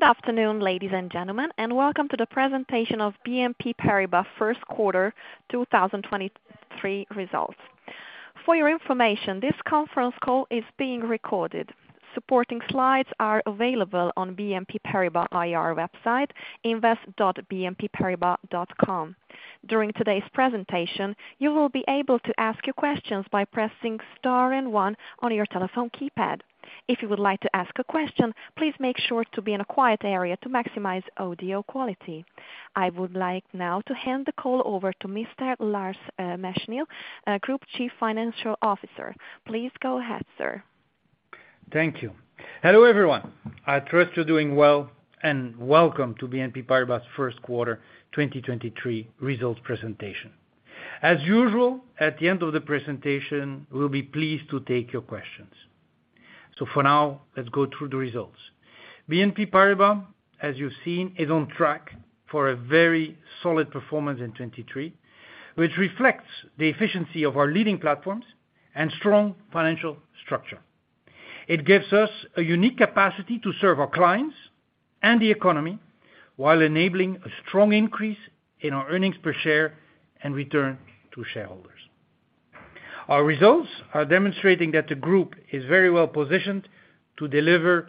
Good afternoon, ladies and gentlemen, and welcome to the presentation of BNP Paribas first quarter 2023 results. For your information, this conference call is being recorded. Supporting slides are available on BNP Paribas IR website, invest.bnpparibas.com. During today's presentation, you will be able to ask your questions by pressing star and one on your telephone keypad. If you would like to ask a question, please make sure to be in a quiet area to maximize audio quality. I would like now to hand the call over to Mr. Lars Machenil, Group Chief Financial Officer. Please go ahead, sir. Thank you. Hello, everyone. I trust you're doing well, and welcome to BNP Paribas first quarter 2023 results presentation. As usual, at the end of the presentation, we'll be pleased to take your questions. For now, let's go through the results. BNP Paribas, as you've seen, is on track for a very solid performance in 2023, which reflects the efficiency of our leading platforms and strong financial structure. It gives us a unique capacity to serve our clients and the economy while enabling a strong increase in our earnings per share and return to shareholders. Our results are demonstrating that the group is very well-positioned to deliver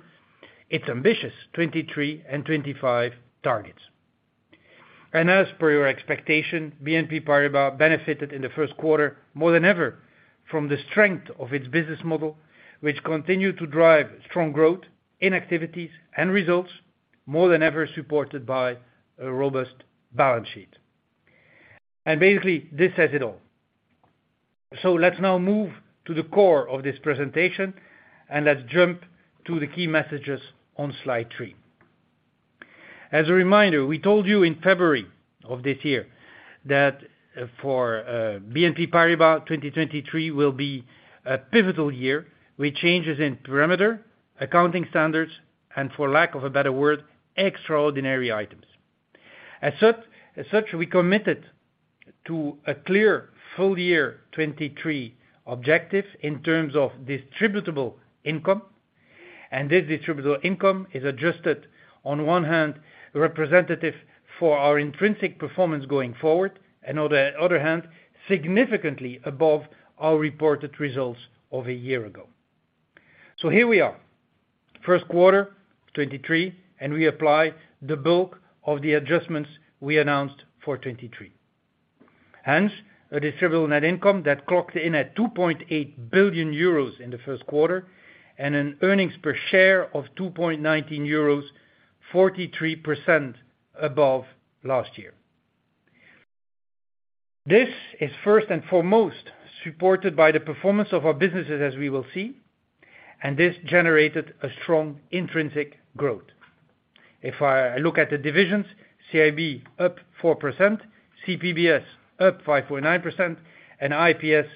its ambitious 2023 and 2025 targets. As per your expectation, BNP Paribas benefited in the first quarter more than ever from the strength of its business model, which continued to drive strong growth in activities and results more than ever supported by a robust balance sheet. Basically, this says it all. Let's now move to the core of this presentation, and let's jump to the key messages on slide three. As a reminder, we told you in February of this year that for BNP Paribas, 2023 will be a pivotal year with changes in perimeter, accounting standards, and for lack of a better word, extraordinary items. As such, we committed to a clear full year 2023 objective in terms of distributable income, and this distributable income is adjusted on one hand, representative for our intrinsic performance going forward, and other hand, significantly above our reported results of a year ago. Here we are, first quarter 2023, and we apply the bulk of the adjustments we announced for 2023. Hence, a distributable net income that clocked in at 2.8 billion euros in the first quarter, and an earnings per share of 2.19 euros, 43% above last year. This is first and foremost supported by the performance of our businesses, as we will see, and this generated a strong intrinsic growth. If I look at the divisions, CIB up 4%, CPBS up 5.9%, and IPS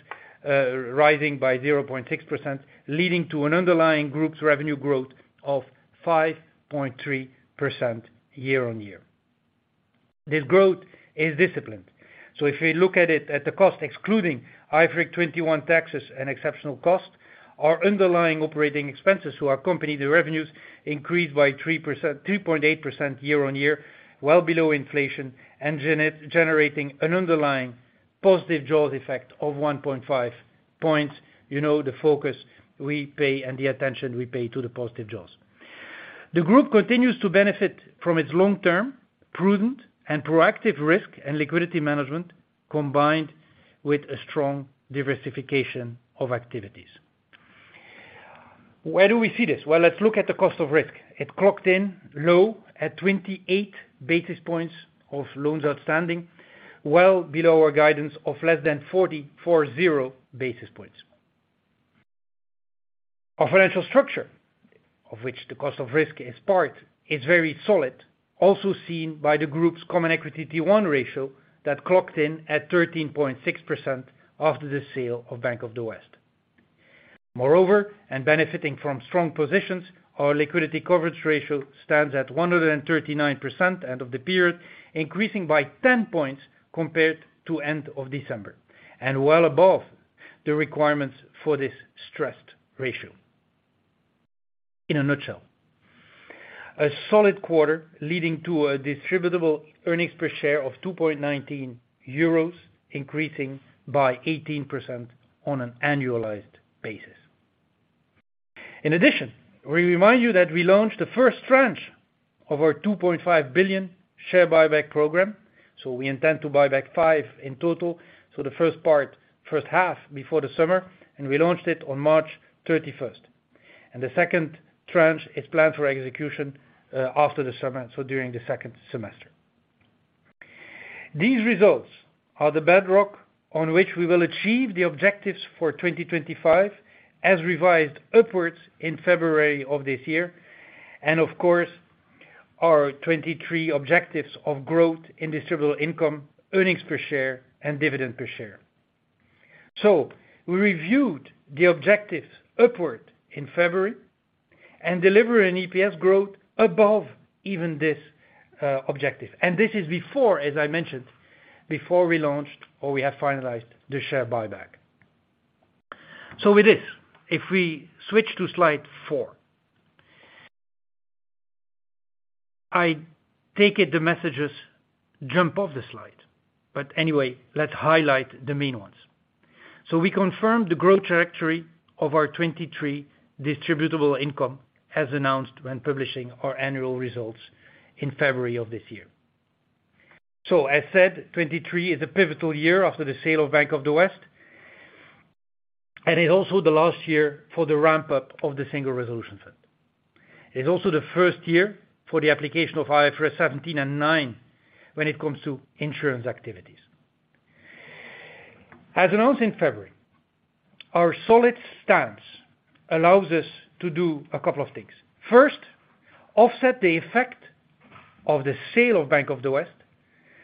rising by 0.6%, leading to an underlying group's revenue growth of 5.3% year-on-year. This growth is disciplined. If you look at it at the cost, excluding IFRIC 21 taxes and exceptional costs, our underlying operating expenses to our company, the revenues increased by 3%, 2.8% year-on-year, well below inflation, generating an underlying positive jaws effect of 1.5 points. You know, the focus we pay and the attention we pay to the positive jaws. The group continues to benefit from its long-term, prudent, and proactive risk and liquidity management, combined with a strong diversification of activities. Where do we see this? Well, let's look at the cost of risk. It clocked in low at 28 basis points of loans outstanding, well below our guidance of less than 440 basis points. Our financial structure, of which the cost of risk is part, is very solid, also seen by the group's Common Equity Tier 1 ratio that clocked in at 13.6% after the sale of Bank of the West. Moreover, and benefiting from strong positions, our liquidity coverage ratio stands at 139% end of the period, increasing by 10 points compared to end of December, and well above the requirements for this stressed ratio. In a nutshell, a solid quarter leading to a distributable earnings per share of 2.19 euros, increasing by 18% on an annualized basis. In addition, we remind you that we launched the first tranche of our 2.5 billion share buyback program. We intend to buy back 5 billion in total. The first part, first half before the summer, and we launched it on March 31st. The second tranche is planned for execution after the summer, during the second semester. These results are the bedrock on which we will achieve the objectives for 2025, as revised upwards in February of this year. Of course, our 2023 objectives of growth in distributable income, earnings per share, and dividend per share. We reviewed the objectives upward in February and deliver an EPS growth above even this objective. This is before, as I mentioned, before we launched or we have finalized the share buyback. With this, if we switch to slide four, I take it the messages jump off the slide, but anyway, let's highlight the main ones. We confirm the growth trajectory of our 2023 distributable income as announced when publishing our annual results in February of this year. As said, 2023 is a pivotal year after the sale of Bank of the West, and it's also the last year for the ramp-up of the Single Resolution Fund. It's also the first year for the application of IFRS 17 and IFRS 9 when it comes to insurance activities. As announced in February, our solid stance allows us to do a couple of things. First, offset the effect of the sale of Bank of the West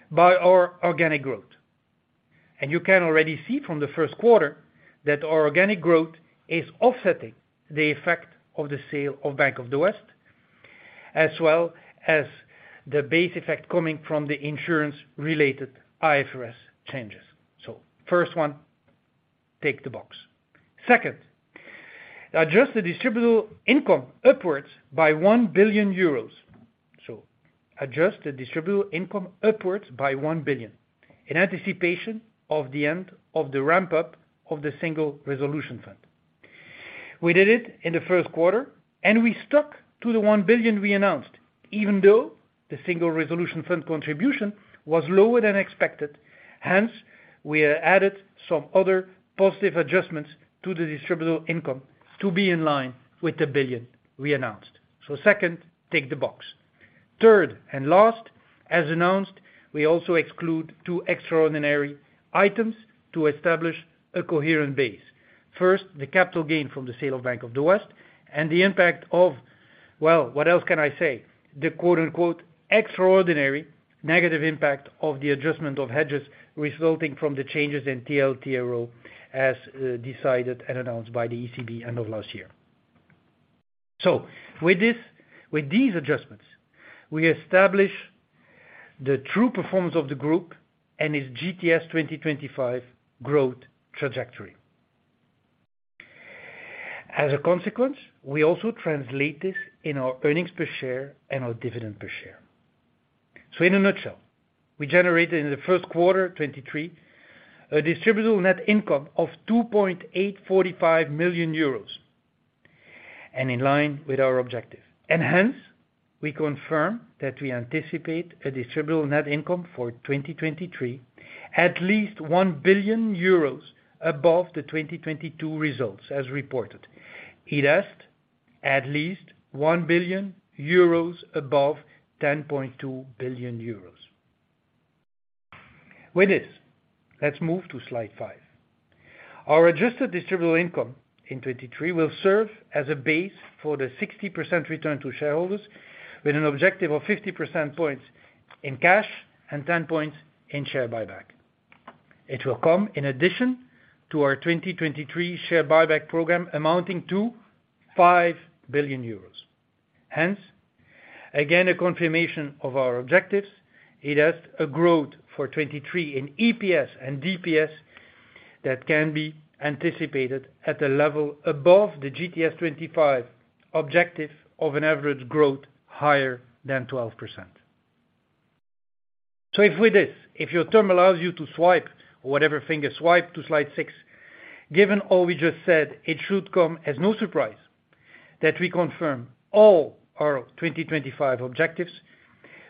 by our organic growth. You can already see from the first quarter that our organic growth is offsetting the effect of the sale of Bank of the West, as well as the base effect coming from the insurance-related IFRS changes. First one, tick the box. Second, adjust the distributable income upwards by 1 billion euros. Adjust the distributable income upwards by 1 billion in anticipation of the end of the ramp-up of the Single Resolution Fund. We did it in the first quarter, and we stuck to the 1 billion we announced, even though the Single Resolution Fund contribution was lower than expected. Hence, we have added some other positive adjustments to the distributable income to be in line with the 1 billion we announced. Second, tick the box. Third and last, as announced, we also exclude two extraordinary items to establish a coherent base. First, the capital gain from the sale of Bank of the West and the impact of, well, what else can I say? The quote, unquote, "extraordinary negative impact of the adjustment of hedges resulting from the changes in TLTRO as decided and announced by the ECB end of last year." With this, with these adjustments, we establish the true performance of the group and its GTS 2025 growth trajectory. As a consequence, we also translate this in our earnings per share and our dividend per share. In a nutshell, we generated in the first quarter 2023, a distributable net income of 2,845,000 euros and in line with our objective. Hence, we confirm that we anticipate a distributable net income for 2023, at least 1 billion euros above the 2022 results as reported. It has at least 1 billion euros above 10.2 billion euros. With this, let's move to slide five. Our adjusted distributable income in 2023 will serve as a base for the 60% return to shareholders with an objective of 50 percentage points in cash and 10 points in share buyback. It will come in addition to our 2023 share buyback program amounting to 5 billion euros. Hence, again, a confirmation of our objectives. It has a growth for 2023 in EPS and DPS that can be anticipated at a level above the GTS 2025 objective of an average growth higher than 12%. With this, if your term allows you to swipe or whatever finger swipe to slide six, given all we just said, it should come as no surprise that we confirm all our 2025 objectives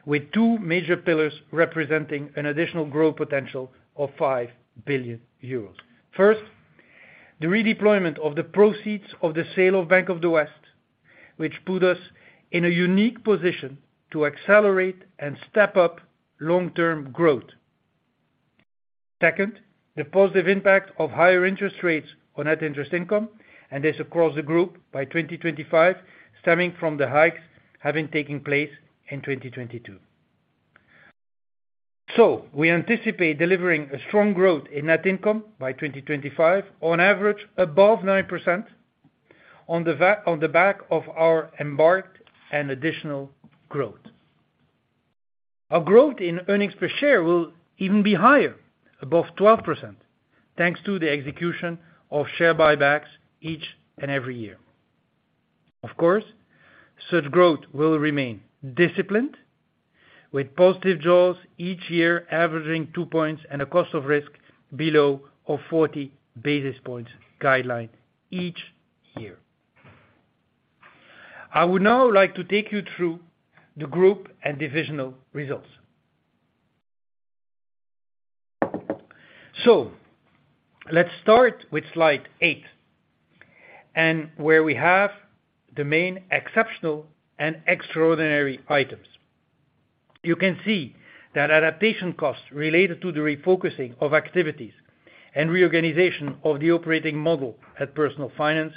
with two major pillars representing an additional growth potential of 5 billion euros. The redeployment of the proceeds of the sale of Bank of the West, which put us in a unique position to accelerate and step up long-term growth. The positive impact of higher interest rates on net interest income, and this across the group by 2025, stemming from the hikes having taken place in 2022. We anticipate delivering a strong growth in net income by 2025 on average above 9% on the back of our embarked and additional growth. Our growth in earnings per share will even be higher, above 12%, thanks to the execution of share buybacks each and every year. Such growth will remain disciplined with positive jaws each year, averaging 2 points and a cost of risk below of 40 basis points guideline each year. I would now like to take you through the group and divisional results. Let's start with slide eight, where we have the main exceptional and extraordinary items. You can see that adaptation costs related to the refocusing of activities and reorganization of the operating model at Personal Finance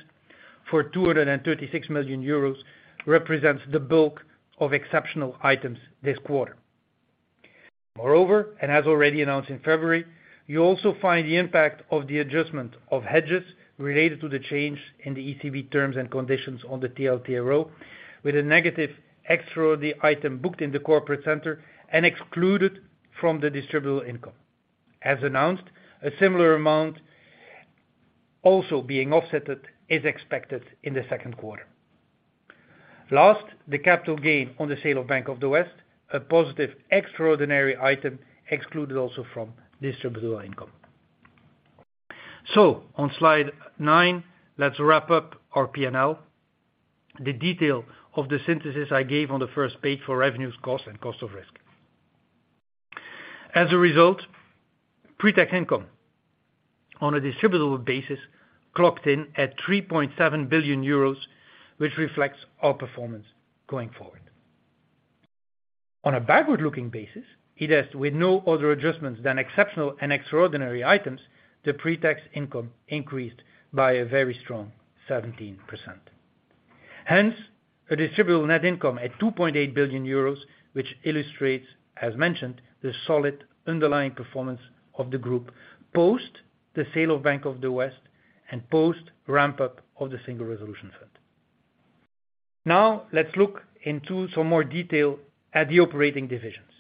for 236 million euros represents the bulk of exceptional items this quarter. Moreover, as already announced in February, you also find the impact of the adjustment of hedges related to the change in the ECB terms and conditions on the TLTRO, with a negative extraordinary item booked in the corporate center and excluded from the distributable income. As announced, a similar amount also being offsetted is expected in the second quarter. Last, the capital gain on the sale of Bank of the West, a positive extraordinary item excluded also from distributable income. On slide nine, let's wrap up our P&L. The detail of the synthesis I gave on the first page for revenues, costs, and cost of risk. Pretax income on a distributable basis clocked in at 3.7 billion euros, which reflects our performance going forward. On a backward-looking basis, it is with no other adjustments than exceptional and extraordinary items, the pretax income increased by a very strong 17%. A distributable net income at 2.8 billion euros, which illustrates, as mentioned, the solid underlying performance of the group, post the sale of Bank of the West and post ramp-up of the Single Resolution Fund. Let's look into some more detail at the operating divisions.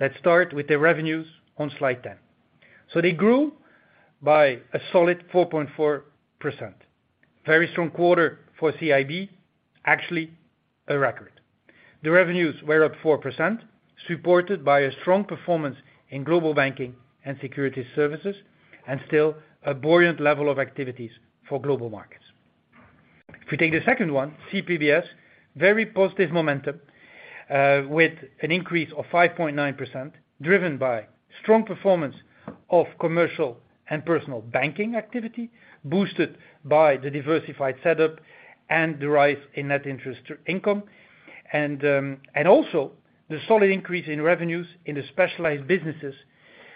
Let's start with the revenues on slide 10. They grew by a solid 4.4%. Very strong quarter for CIB, actually a record. The revenues were up 4%, supported by a strong performance in global banking and security services, and still a buoyant level of activities for global markets. If we take the second one, CPBS, very positive momentum, with an increase of 5.9%, driven by strong performance of commercial and personal banking activity, boosted by the diversified setup and the rise in net interest income and also the solid increase in revenues in the specialized businesses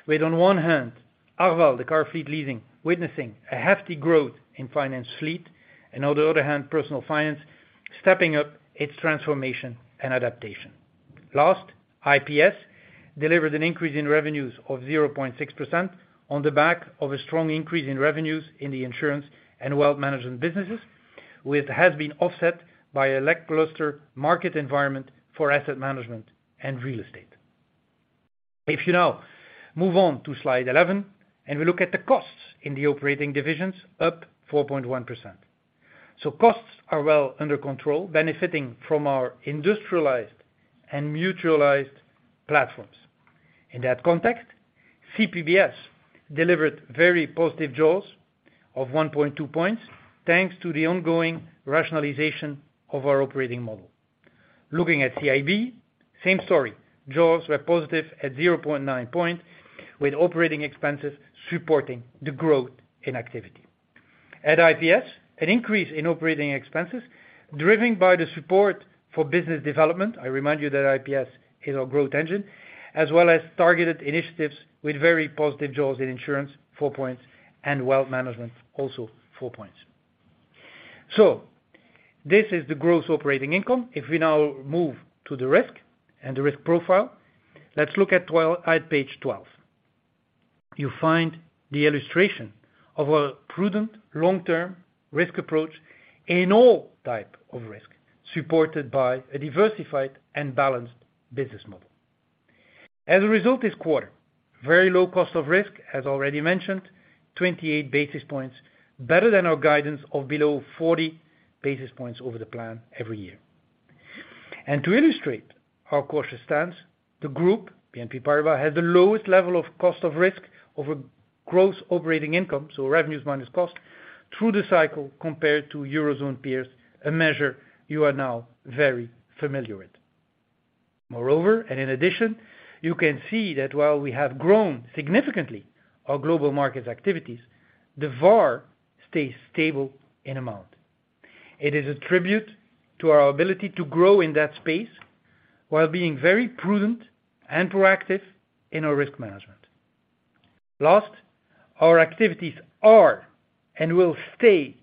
with, on one hand, Arval, the car fleet leasing, witnessing a hefty growth in finance fleet. On the other hand, Personal Finance, stepping up its transformation and adaptation. Last, IPS delivered an increase in revenues of 0.6% on the back of a strong increase in revenues in the insurance and wealth management businesses, which has been offset by a lackluster market environment for asset management and real estate. If you now move on to slide 11, and we look at the costs in the operating divisions, up 4.1%. Costs are well under control, benefiting from our industrialized and mutualized platforms. In that context, CPBS delivered very positive jaws of 1.2 points, thanks to the ongoing rationalization of our operating model. Looking at CIB, same story. jaws were positive at 0.9 point, with operating expenses supporting the growth in activity. At IPS, an increase in operating expenses driven by the support for business development, I remind you that IPS is our growth engine, as well as targeted initiatives with very positive jaws in insurance, 4 points, and wealth management, also 4 points. This is the gross operating income. If we now move to the risk and the risk profile, let's look at page 12. You find the illustration of a prudent long-term risk approach in all type of risk, supported by a diversified and balanced business model. As a result, this quarter, very low cost of risk, as already mentioned, 28 basis points better than our guidance of below 40 basis points over the plan every year. To illustrate our cautious stance, the group, BNP Paribas, has the lowest level of cost of risk over gross operating income, so revenues minus cost, through the cycle compared to Eurozone peers, a measure you are now very familiar with. In addition, you can see that while we have grown significantly our global markets activities, the VaR stays stable in amount. It is a tribute to our ability to grow in that space while being very prudent and proactive in our risk management. Last, our activities are and will stay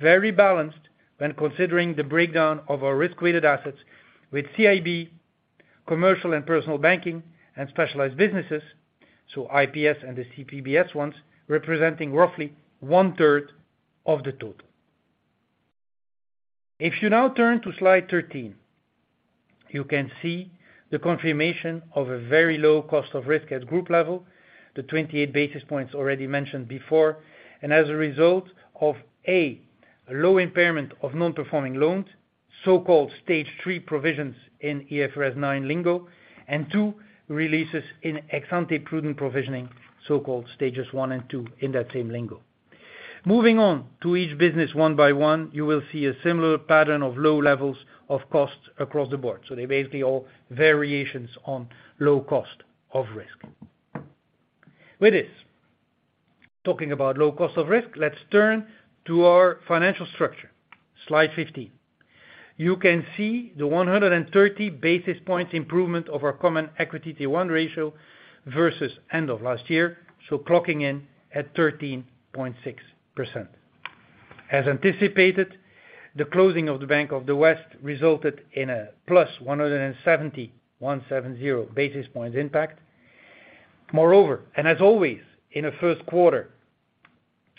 very balanced when considering the breakdown of our risk-weighted assets with CIB, commercial and personal banking, and specialized businesses, so IPS and the CPBS ones, representing roughly one-third of the total. If you now turn to slide 13, you can see the confirmation of a very low cost of risk at group level, the 28 basis points already mentioned before, and as a result of, A, low impairment of non-performing loans, so-called Stage 3 provisions in IFRS 9 lingo, and two, releases in ex-ante prudent provisioning, so-called Stages 1 and 2 in that same lingo. Moving on to each business one by one, you will see a similar pattern of low levels of costs across the board. They're basically all variations on low cost of risk. With this, talking about low cost of risk, let's turn to our financial structure. Slide 15. You can see the 130 basis points improvement of our Common Equity Tier 1 ratio versus end of last year, so clocking in at 13.6%. As anticipated, the closing of the Bank of the West resulted in a +170 basis points impact. Moreover, as always, in a first quarter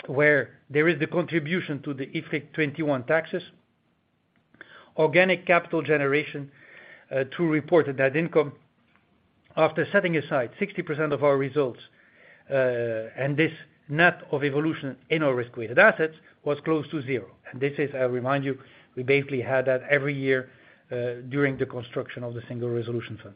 where there is the contribution to the IFRIC 21 taxes-Organic capital generation, to report a net income after setting aside 60% of our results, and this net of evolution in our risk-weighted assets was close to 0. This is, I remind you, we basically had that every year, during the construction of the Single Resolution Fund.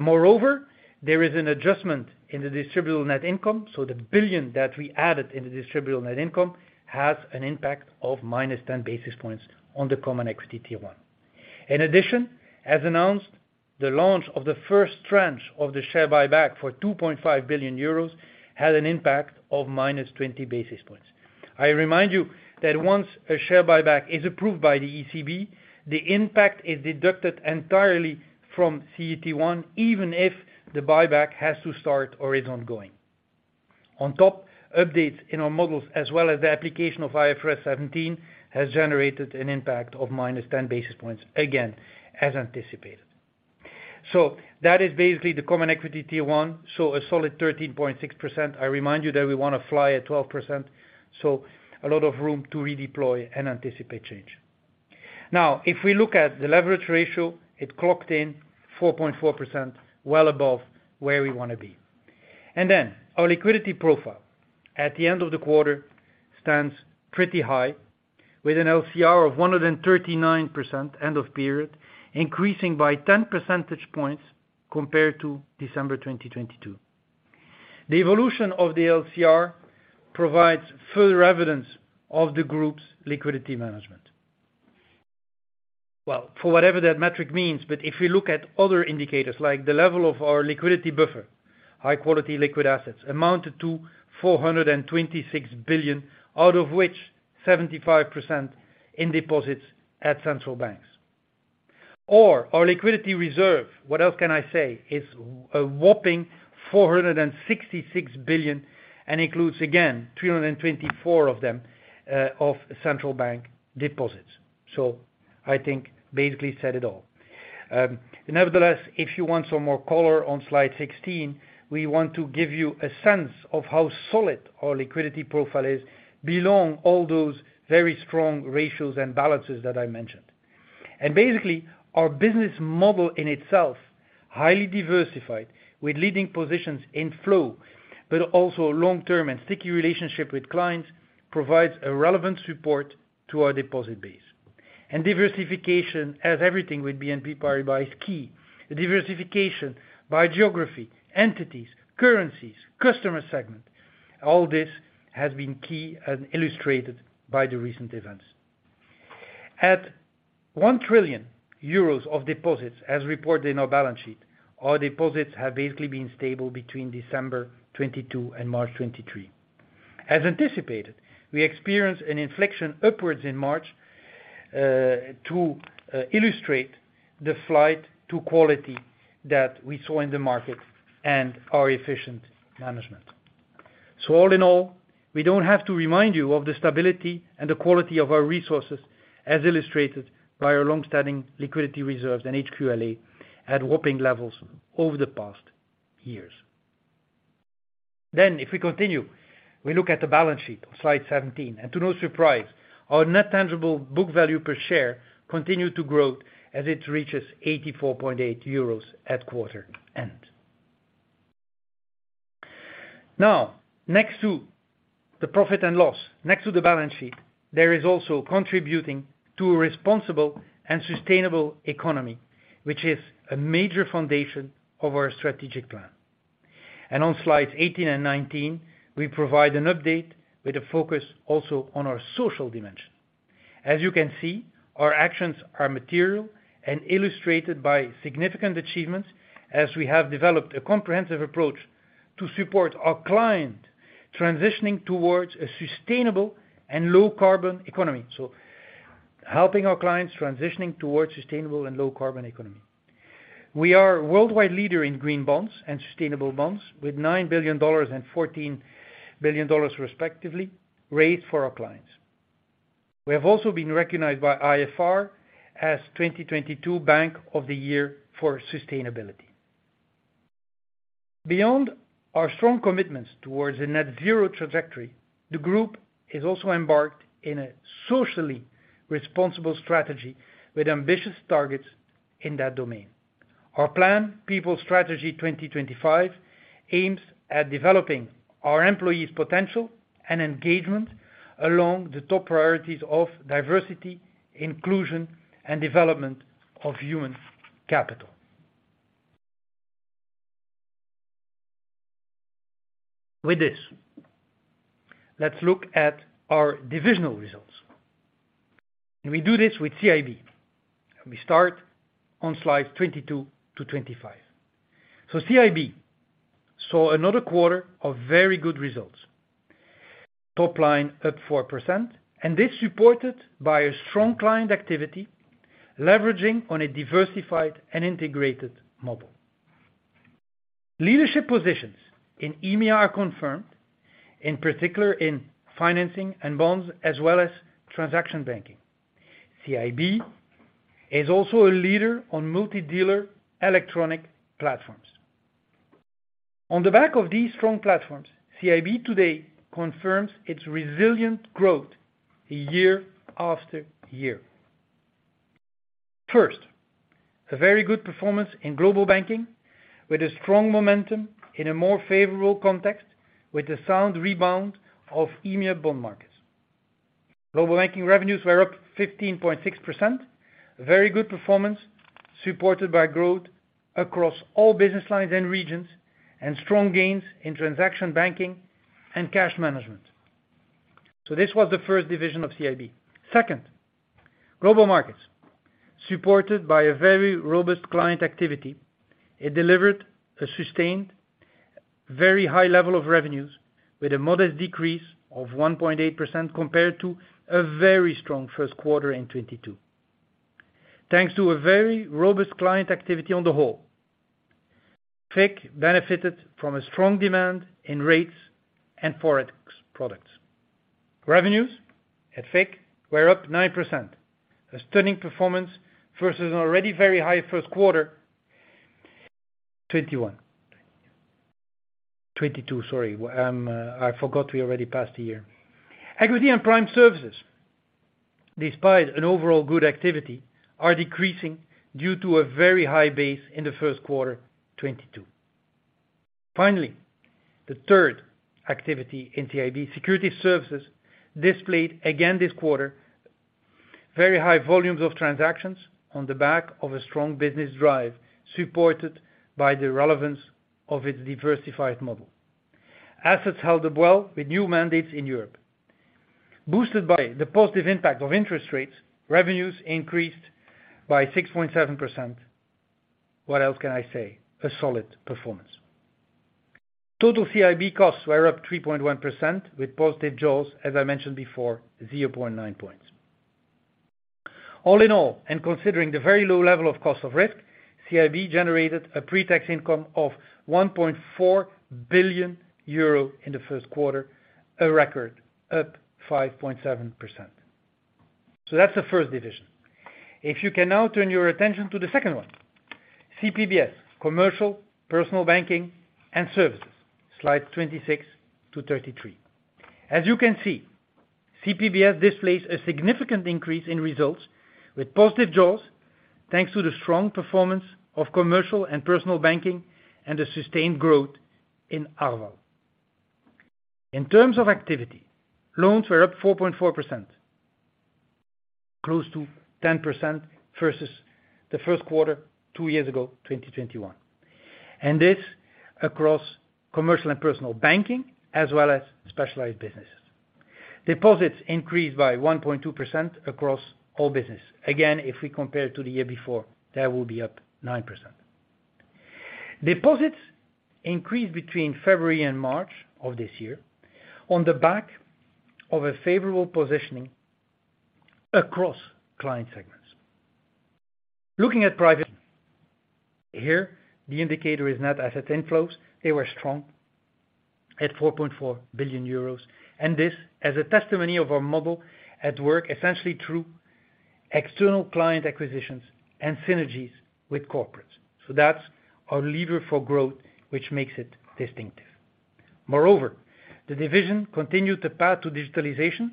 Moreover, there is an adjustment in the distributable net income, the 1 billion that we added in the distributable net income has an impact of -10 basis points on the Common Equity Tier 1. In addition, as announced, the launch of the first tranche of the share buyback for 2.5 billion euros had an impact of -20 basis points. I remind you that once a share buyback is approved by the ECB, the impact is deducted entirely from CET1, even if the buyback has to start or is ongoing. On top, updates in our models as well as the application of IFRS 17 has generated an impact of -10 basis points, again, as anticipated. That is basically the Common Equity Tier 1, a solid 13.6%. I remind you that we wanna fly at 12%, so a lot of room to redeploy and anticipate change. If we look at the leverage ratio, it clocked in 4.4%, well above where we wanna be. Our liquidity profile at the end of the quarter stands pretty high with an LCR of 139% end of period, increasing by 10 percentage points compared to December 2022. The evolution of the LCR provides further evidence of the group's liquidity management. For whatever that metric means, but if we look at other indicators, like the level of our liquidity buffer, high quality liquid assets amounted to 426 billion, out of which 75% in deposits at central banks. Our liquidity reserve, what else can I say? It's a whopping 466 billion, and includes again 324 billion of central bank deposits. I think basically said it all. Nevertheless, if you want some more color on slide 16, we want to give you a sense of how solid our liquidity profile is beyond all those very strong ratios and balances that I mentioned. Basically, our business model in itself, highly diversified with leading positions in flow, but also long-term and sticky relationship with clients, provides a relevant support to our deposit base. Diversification, as everything with BNP Paribas, is key. Diversification by geography, entities, currencies, customer segment, all this has been key and illustrated by the recent events. At 1 trillion euros of deposits as reported in our balance sheet, our deposits have basically been stable between December 2022 and March 2023. As anticipated, we experienced an inflection upwards in March, to illustrate the flight to quality that we saw in the market and our efficient management. All in all, we don't have to remind you of the stability and the quality of our resources, as illustrated by our long-standing liquidity reserves and HQLA at whopping levels over the past years. If we continue, we look at the balance sheet on slide 17, and to no surprise, our net tangible book value per share continued to grow as it reaches 84.8 euros at quarter end. Next to the profit and loss, next to the balance sheet, there is also contributing to a responsible and sustainable economy, which is a major foundation of our strategic plan. On slides 18 and 19, we provide an update with a focus also on our social dimension. As you can see, our actions are material and illustrated by significant achievements as we have developed a comprehensive approach to support our client transitioning towards a sustainable and low carbon economy. Helping our clients transitioning towards sustainable and low carbon economy. We are a worldwide leader in green bonds and sustainable bonds with $9 billion and $14 billion respectively raised for our clients. We have also been recognized by IFR as 2022 Bank of the Year for Sustainability. Beyond our strong commitments towards a net zero trajectory, the group has also embarked in a socially responsible strategy with ambitious targets in that domain. Our plan, People Strategy 2025, aims at developing our employees' potential and engagement along the top priorities of diversity, inclusion, and development of human capital. With this, let's look at our divisional results. We do this with CIB, and we start on slide 22 to 25. CIB saw another quarter of very good results. Top line up 4%, this supported by a strong client activity, leveraging on a diversified and integrated model. Leadership positions in EMEA are confirmed, in particular in financing and bonds as well as transaction banking. CIB is also a leader on multi-dealer electronic platforms. On the back of these strong platforms, CIB today confirms its resilient growth year after year. First, a very good performance in global banking with a strong momentum in a more favorable context with the sound rebound of EMEA bond markets. Global ranking revenues were up 15.6%. Very good performance, supported by growth across all business lines and regions, and strong gains in transaction banking and cash management. This was the first division of CIB. Second, global markets, supported by a very robust client activity. It delivered a sustained, very high level of revenues with a modest decrease of 1.8% compared to a very strong first quarter in 2022. Thanks to a very robust client activity on the whole. FIC benefited from a strong demand in rates and products. Revenues at FIC were up 9%, a stunning performance versus an already very high first quarter, 2021. 2022, sorry. I forgot we already passed a year. Equity and prime services, despite an overall good activity, are decreasing due to a very high base in the first quarter, 2022. Finally, the third activity in CIB security services displayed again this quarter, very high volumes of transactions on the back of a strong business drive, supported by the relevance of its diversified model. Assets held up well with new mandates in Europe. Boosted by the positive impact of interest rates, revenues increased by 6.7%. What else can I say? A solid performance. Total CIB costs were up 3.1% with positive jaws, as I mentioned before, 0.9 points. All in all, considering the very low level of cost of risk, CIB generated a pre-tax income of 1.4 billion euro in the first quarter, a record up 5.7%. That's the first division. If you can now turn your attention to the second one, CPBS, Commercial Personal Banking and Services, slides 26 to 33. As you can see, CPBS displays a significant increase in results with positive jaws, thanks to the strong performance of commercial and personal banking and the sustained growth in Arval. In terms of activity, loans were up 4.4%, close to 10% versus the first quarter, two years ago, 2021, and this across commercial and personal banking as well as specialized businesses. Deposits increased by 1.2% across all business. If we compare to the year before, that will be up 9%. Deposits increased between February and March of this year on the back of a favorable positioning across client segments. Looking at private here, the indicator is net asset inflows. They were strong at 4.4 billion euros, this as a testimony of our model at work, essentially through external client acquisitions and synergies with corporates. That's our lever for growth, which makes it distinctive. Moreover, the division continued the path to digitalization,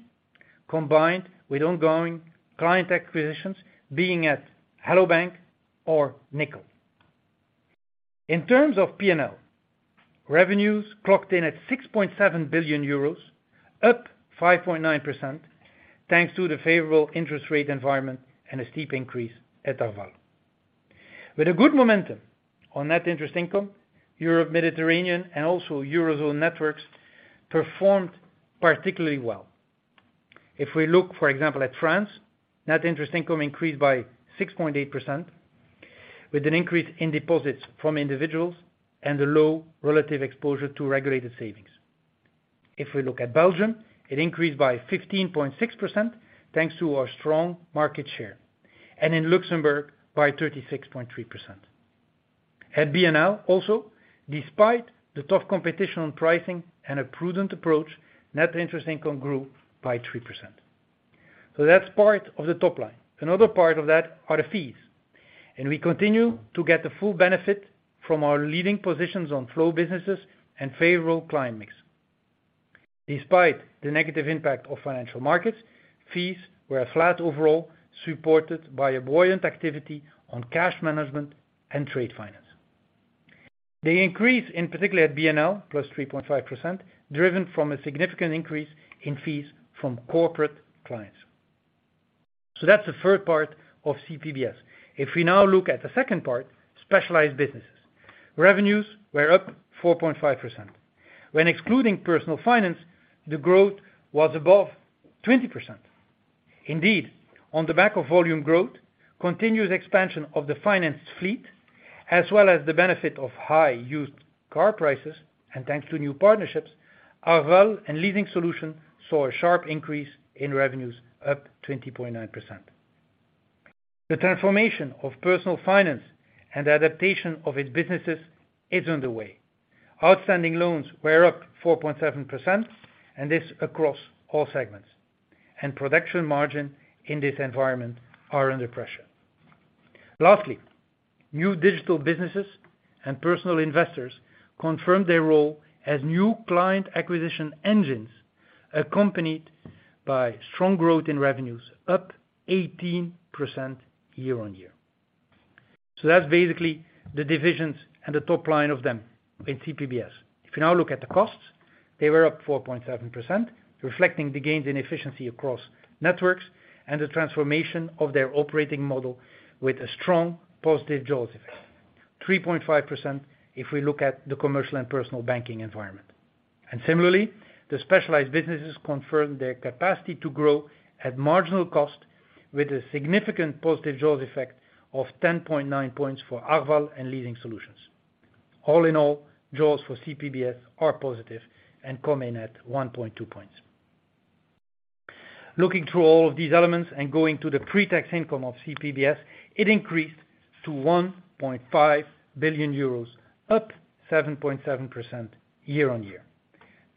combined with ongoing client acquisitions being at Hello bank! or Nickel. In terms of P&L, revenues clocked in at 6.7 billion euros, up 5.9%, thanks to the favorable interest rate environment and a steep increase at Arval. With a good momentum on net interest income, Europe, Mediterranean, and also Eurozone networks performed particularly well. If we look, for example, at France, net interest income increased by 6.8%, with an increase in deposits from individuals and a low relative exposure to regulated savings. If we look at Belgium, it increased by 15.6%, thanks to our strong market share, and in Luxembourg by 36.3%. At BNL also, despite the tough competition on pricing and a prudent approach, net interest income grew by 3%. That's part of the top line. Another part of that are the fees, and we continue to get the full benefit from our leading positions on flow businesses and favorable client mix. Despite the negative impact of financial markets, fees were flat overall, supported by a buoyant activity on cash management and trade finance. They increase in particularly at BNL, +3.5%, driven from a significant increase in fees from corporate clients. That's the third part of CPBS. If we now look at the second part, specialized businesses. Revenues were up 4.5%. When excluding Personal Finance, the growth was above 20%. Indeed, on the back of volume growth, continuous expansion of the finance fleet, as well as the benefit of high used car prices and thanks to new partnerships, Arval and Leasing Solutions saw a sharp increase in revenues up 20.9%. The transformation of Personal Finance and adaptation of its businesses is underway. Outstanding loans were up 4.7%, and this across all segments. Production margin in this environment are under pressure. Lastly, new digital businesses and personal investors confirmed their role as new client acquisition engines, accompanied by strong growth in revenues, up 18% year-on-year. That's basically the divisions and the top line of them in CPBS. If you now look at the costs, they were up 4.7%, reflecting the gains in efficiency across networks and the transformation of their operating model with a strong positive jaws effect, 3.5% if we look at the commercial and personal banking environment. Similarly, the specialized businesses confirmed their capacity to grow at marginal cost with a significant positive jaws effect of 10.9 points for Arval and Leasing Solutions. All in all, Jaws for CPBS are positive and come in at 1.2 points. Looking through all of these elements and going to the pre-tax income of CPBS, it increased to 1.5 billion euros, up 7.7% year-on-year.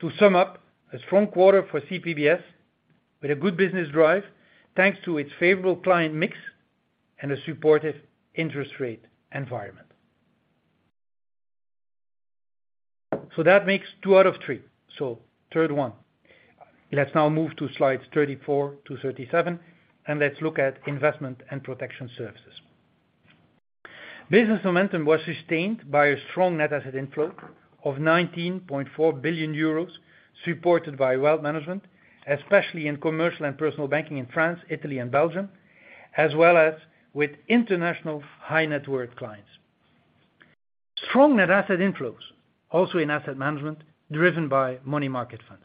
To sum up, a strong quarter for CPBS with a good business drive, thanks to its favorable client mix and a supportive interest rate environment. That makes two out of three. Third one. Let's now move to slides 34 to 37, and let's look at investment and protection services. Business momentum was sustained by a strong net asset inflow of 19.4 billion euros, supported by wealth management, especially in commercial and personal banking in France, Italy and Belgium, as well as with international high net worth clients. Strong net asset inflows, also in asset management, driven by money market funds.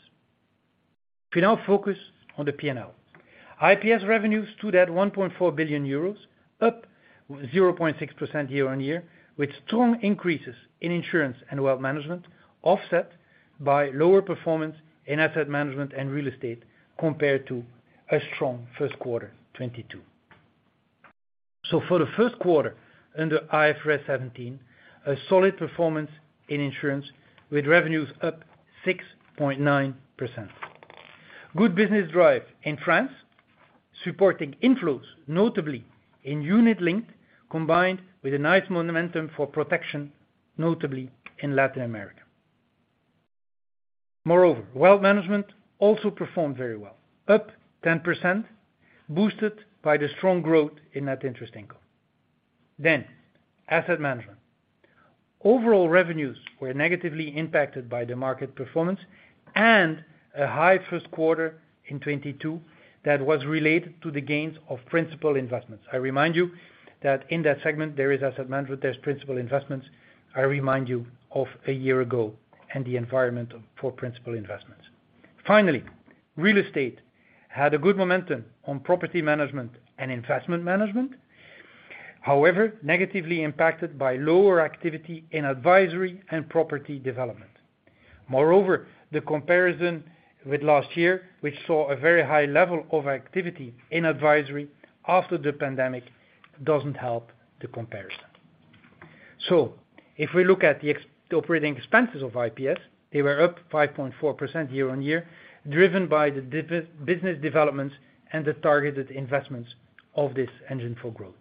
If we now focus on the P&L. IPS revenues stood at 1.4 billion euros, up 0.6% year on year, with strong increases in insurance and wealth management offset by lower performance in asset management and real estate compared to a strong first quarter 2022. For the first quarter under IFRS 17, a solid performance in insurance with revenues up 6.9%. Good business drive in France, supporting inflows, notably in unit-linked, combined with a nice momentum for protection, notably in Latin America. Moreover, wealth management also performed very well, up 10%, boosted by the strong growth in net interest income. Asset management. Overall revenues were negatively impacted by the market performance and a high first quarter in 2022 that was related to the gains of principal investments. I remind you that in that segment, there is asset management, there's principal investments. I remind you of a year ago and the environment for principal investments. Real Estate had a good momentum on property management and investment management, however, negatively impacted by lower activity in advisory and property development. The comparison with last year, which saw a very high level of activity in advisory after the pandemic, doesn't help the comparison. If we look at the operating expenses of IPS, they were up 5.4% year-on-year, driven by the business developments and the targeted investments of this engine for growth.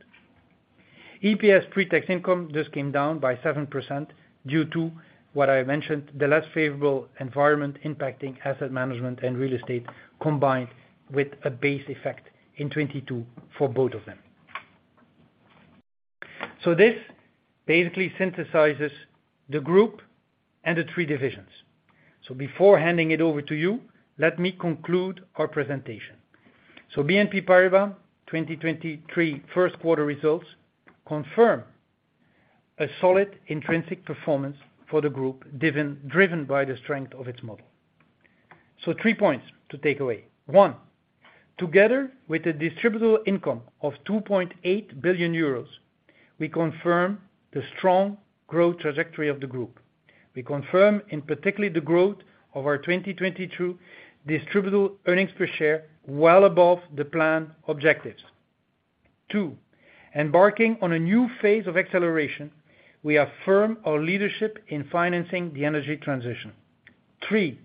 EPS pre-tax income just came down by 7% due to what I mentioned, the less favorable environment impacting asset management and Real Estate combined with a base effect in 2022 for both of them. This basically synthesizes the group and the three divisions. Before handing it over to you, let me conclude our presentation. BNP Paribas 2023 first quarter results confirm a solid intrinsic performance for the group, driven by the strength of its model. Three points to take away. One, together with the distributable income of 2.8 billion euros, we confirm the strong growth trajectory of the group. We confirm in particular the growth of our 2022 distributable earnings per share, well above the plan objectives. Two, embarking on a new phase of acceleration, we affirm our leadership in financing the energy transition. Three,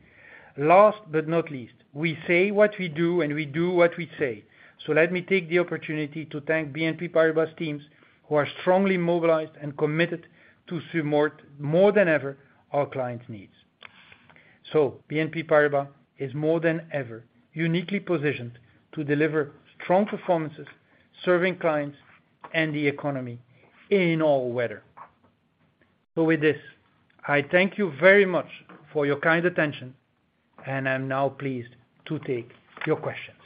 last but not least, we say what we do and we do what we say. Let me take the opportunity to thank BNP Paribas teams who are strongly mobilized and committed to support more than ever our clients' needs. BNP Paribas is more than ever uniquely positioned to deliver strong performances, serving clients and the economy in all weather. With this, I thank you very much for your kind attention, and I'm now pleased to take your questions.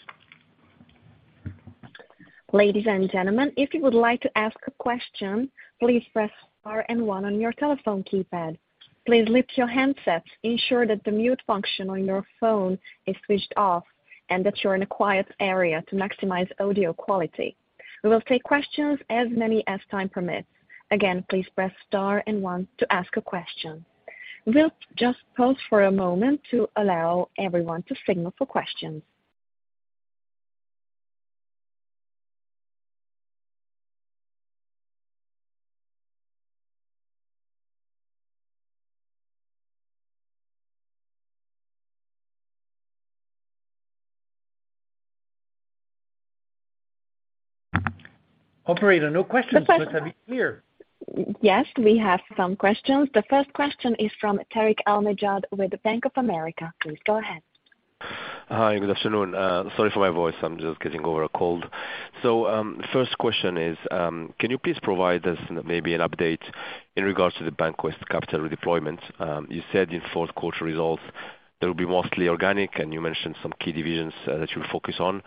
Ladies and gentlemen, if you would like to ask a question, please press star and one on your telephone keypad. Please lift your handsets, ensure that the mute function on your phone is switched off, and that you're in a quiet area to maximize audio quality. We will take questions as many as time permits. Again, please press star and one to ask a question. We'll just pause for a moment to allow everyone to signal for questions. Operator, no questions, but I mean, here. Yes, we have some questions. The first question is from Tarik El Mejjad with Bank of America. Please go ahead. Hi, good afternoon. Sorry for my voice. I'm just getting over a cold. First question is, can you please provide us maybe an update in regards to the BancWest capital deployment? You said in fourth quarter results that it'll be mostly organic, and you mentioned some key divisions that you focus on.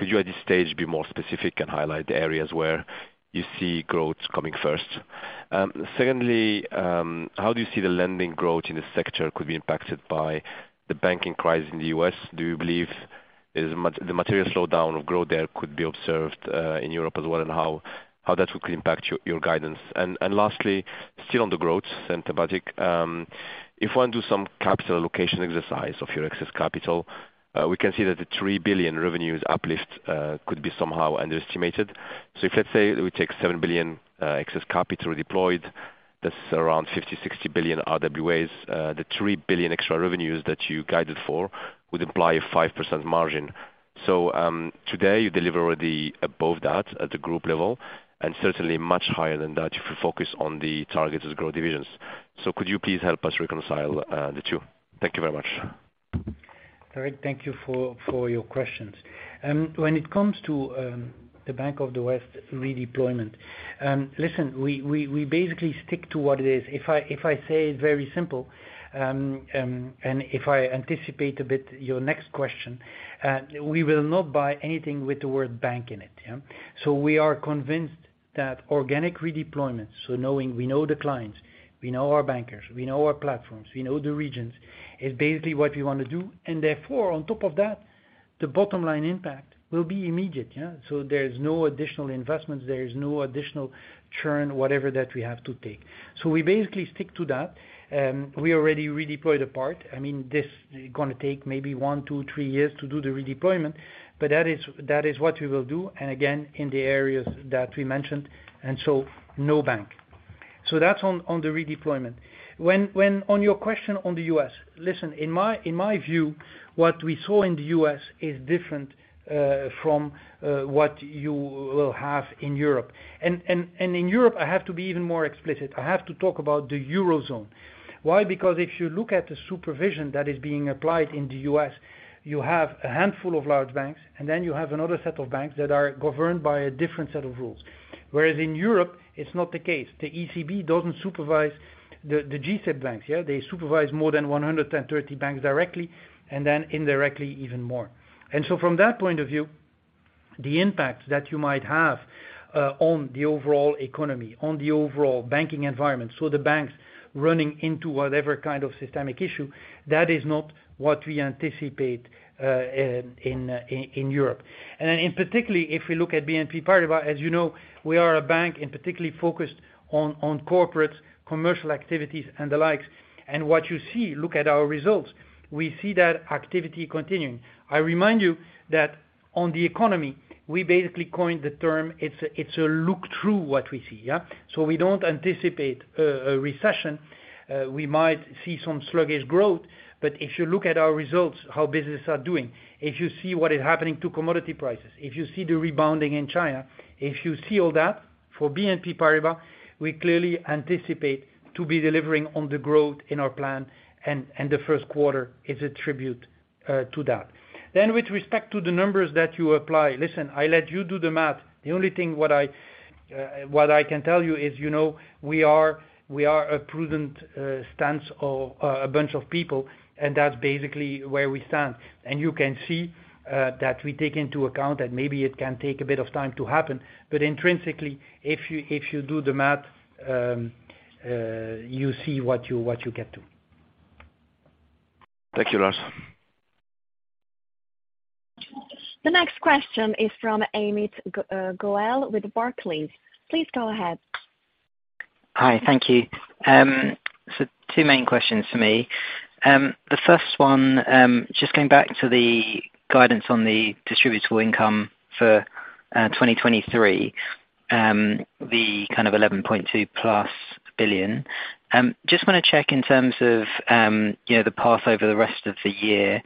Could you, at this stage, be more specific and highlight the areas where you see growth coming first? Secondly, how do you see the lending growth in this sector could be impacted by the banking crisis in the U.S.? Do you believe the material slowdown of growth there could be observed in Europe as well, and how that could impact your guidance? Lastly, still on the growth centric, if one do some capital location exercise of your excess capital, we can see that the 3 billion revenues uplift could be somehow underestimated. If, let's say, we take 7 billion excess capital deployed, that's around 50 billion-60 billion RWAs, the 3 billion extra revenues that you guided for would imply a 5% margin. Today you deliver the above that at the group level, and certainly much higher than that if you focus on the targeted growth divisions. Could you please help us reconcile the two? Thank you very much. Tariq, thank you for your questions. When it comes to the Bank of the West redeployment, listen, we basically stick to what it is. If I say it very simple, and if I anticipate a bit your next question, we will not buy anything with the word bank in it. Yeah? We are convinced that organic redeployment, so knowing we know the clients, we know our bankers, we know our platforms, we know the regions, is basically what we wanna do. Therefore, on top of that, the bottom line impact will be immediate. Yeah? There's no additional investments, there is no additional churn, whatever, that we have to take. We basically stick to that. We already redeployed a part. I mean, this gonna take maybe one, two, three years to do the redeployment. That is what we will do, again, in the areas that we mentioned, no bank. That's on the redeployment. On your question on the U.S., listen, in my view, what we saw in the U.S. is different from what you will have in Europe. In Europe, I have to be even more explicit. I have to talk about the Eurozone. Why? If you look at the supervision that is being applied in the U.S., you have a handful of large banks, and then you have another set of banks that are governed by a different set of rules. Whereas in Europe, it's not the case. The ECB doesn't supervise the G-SIB banks. Yeah? They supervise more than 130 banks directly, then indirectly, even more. From that point of view, the impact that you might have on the overall economy, on the overall banking environment, so the banks running into whatever kind of systemic issue, that is not what we anticipate in Europe. In particularly, if we look at BNP Paribas, as you know, we are a bank and particularly focused on corporate commercial activities and the likes. What you see, look at our results, we see that activity continuing. I remind you that on the economy, we basically coined the term it's a look through what we see. Yeah? We don't anticipate a recession. We might see some sluggish growth, but if you look at our results, how business are doing, if you see what is happening to commodity prices, if you see the rebounding in China, if you see all that, for BNP Paribas, we clearly anticipate to be delivering on the growth in our plan, and the first quarter is a tribute to that. With respect to the numbers that you apply, listen, I let you do the math. The only thing what I can tell you is, you know, we are a prudent stance of a bunch of people, and that's basically where we stand. You can see that we take into account that maybe it can take a bit of time to happen, but intrinsically if you do the math, you see what you get to. Thank you, Lars. The next question is from Amit Goel with Barclays. Please go ahead. Hi. Thank you. Two main questions for me. The first one, just going back to the guidance on the distributable income for 2023, the kind of 11.2+ billion. Just wanna check in terms of, you know, the path over the rest of the year,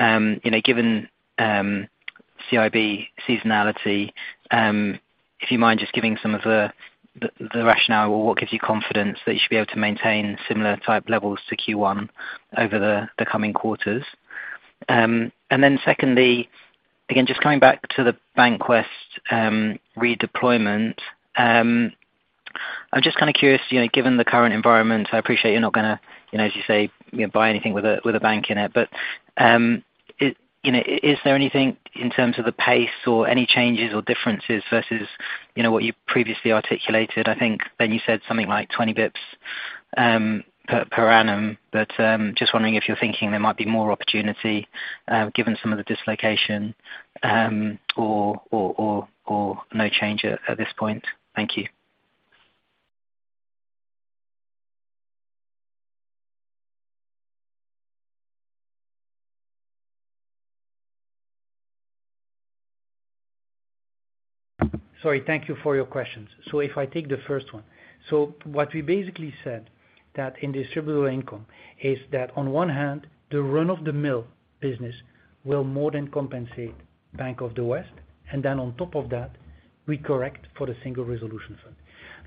you know, given CIB seasonality, if you mind just giving some of the rationale or what gives you confidence that you should be able to maintain similar type levels to Q1 over the coming quarters? Secondly, again, just coming back to the BancWest redeployment, I'm just kinda curious, you know, given the current environment, I appreciate you're not gonna, you know, as you say, you know, buy anything with a, with a bank in it, but you know, is there anything in terms of the pace or any changes or differences versus, you know, what you previously articulated? I think then you said something like 20 basis points per annum. Just wondering if you're thinking there might be more opportunity given some of the dislocation or no change at this point. Thank you. Sorry, thank you for your questions. If I take the first one, what we basically said that in distributor income is that on one hand, the run-of-the-mill business will more than compensate Bank of the West, and then on top of that, we correct for the Single Resolution Fund.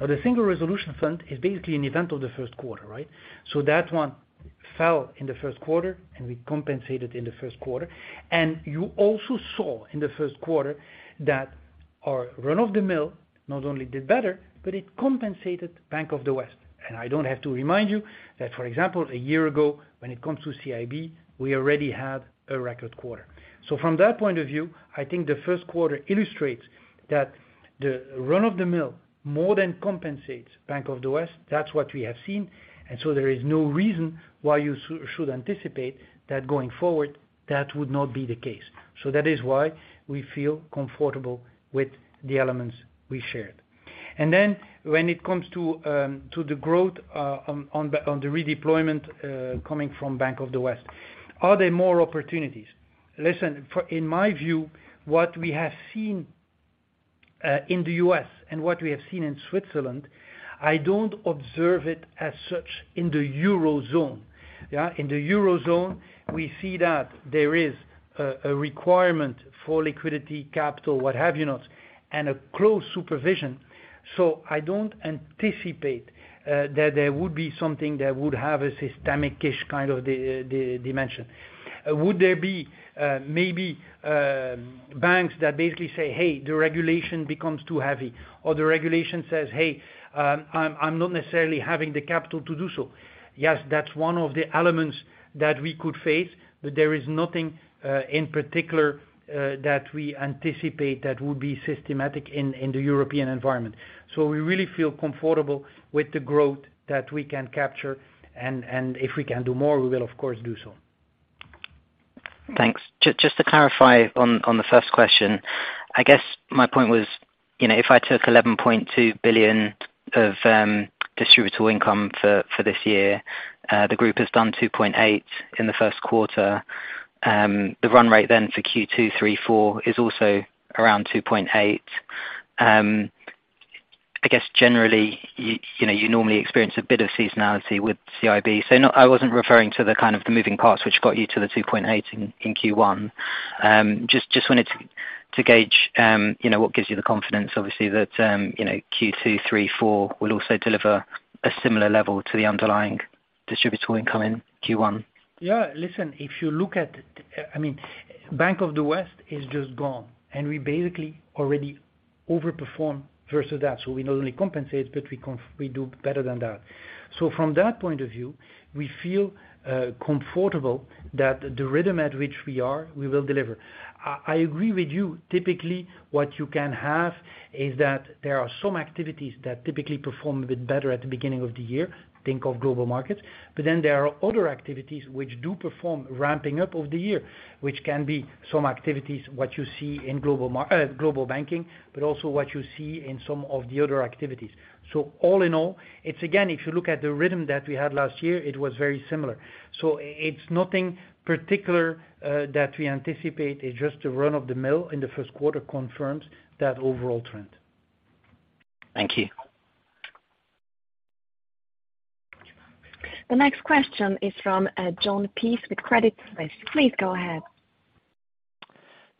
The Single Resolution Fund is basically an event of the first quarter, right? That one fell in the first quarter, and we compensated in the first quarter. You also saw in the first quarter that our run-of-the-mill not only did better, but it compensated Bank of the West. I don't have to remind you that, for example, a year ago, when it comes to CIB, we already had a record quarter. From that point of view, I think the first quarter illustrates that the run-of-the-mill more than compensates Bank of the West. That's what we have seen, there is no reason why you should anticipate that going forward, that would not be the case. That is why we feel comfortable with the elements we shared. When it comes to the growth on the redeployment coming from Bank of the West, are there more opportunities? Listen, for in my view, what we have seen in the U.S. and what we have seen in Switzerland, I don't observe it as such in the Eurozone. Yeah. In the Eurozone, we see that there is a requirement for liquidity, capital, what have you not, and a close supervision. I don't anticipate that there would be something that would have a systemic-ish kind of dimension. Would there be, maybe, banks that basically say, "Hey, the regulation becomes too heavy," or the regulation says, "Hey, I'm not necessarily having the capital to do so." Yes, that's one of the elements that we could face, but there is nothing in particular that we anticipate that would be systematic in the European environment. We really feel comfortable with the growth that we can capture, and if we can do more, we will of course, do so. Thanks. Just to clarify on the first question, I guess my point was, you know, if I took 11.2 billion of distributor income for this year, the group has done 2.8 billion in the first quarter. The run rate then for Q2, three, four is also around 2.8 billion. I guess generally, you know, you normally experience a bit of seasonality with CIB. I wasn't referring to the kind of the moving parts which got you to the 2.8 billion in Q1. Just wanted to gauge, you know, what gives you the confidence, obviously, that, you know, Q2, three, four will also deliver a similar level to the underlying distributor income in Q1. Yeah. Listen, if you look at, I mean, Bank of the West is just gone, and we basically already overperformed versus that. We not only compensate, but we do better than that. From that point of view, we feel comfortable that the rhythm at which we are, we will deliver. I agree with you, typically, what you can have is that there are some activities that typically perform a bit better at the beginning of the year, think of global markets, but then there are other activities which do perform ramping up of the year, which can be some activities, what you see in global banking, but also what you see in some of the other activities. All in all, it's again, if you look at the rhythm that we had last year, it was very similar. It's nothing particular, that we anticipate, it's just the run-of-the-mill in the first quarter confirms that overall trend. Thank you. The next question is from Jon Peace with Credit Suisse. Please go ahead.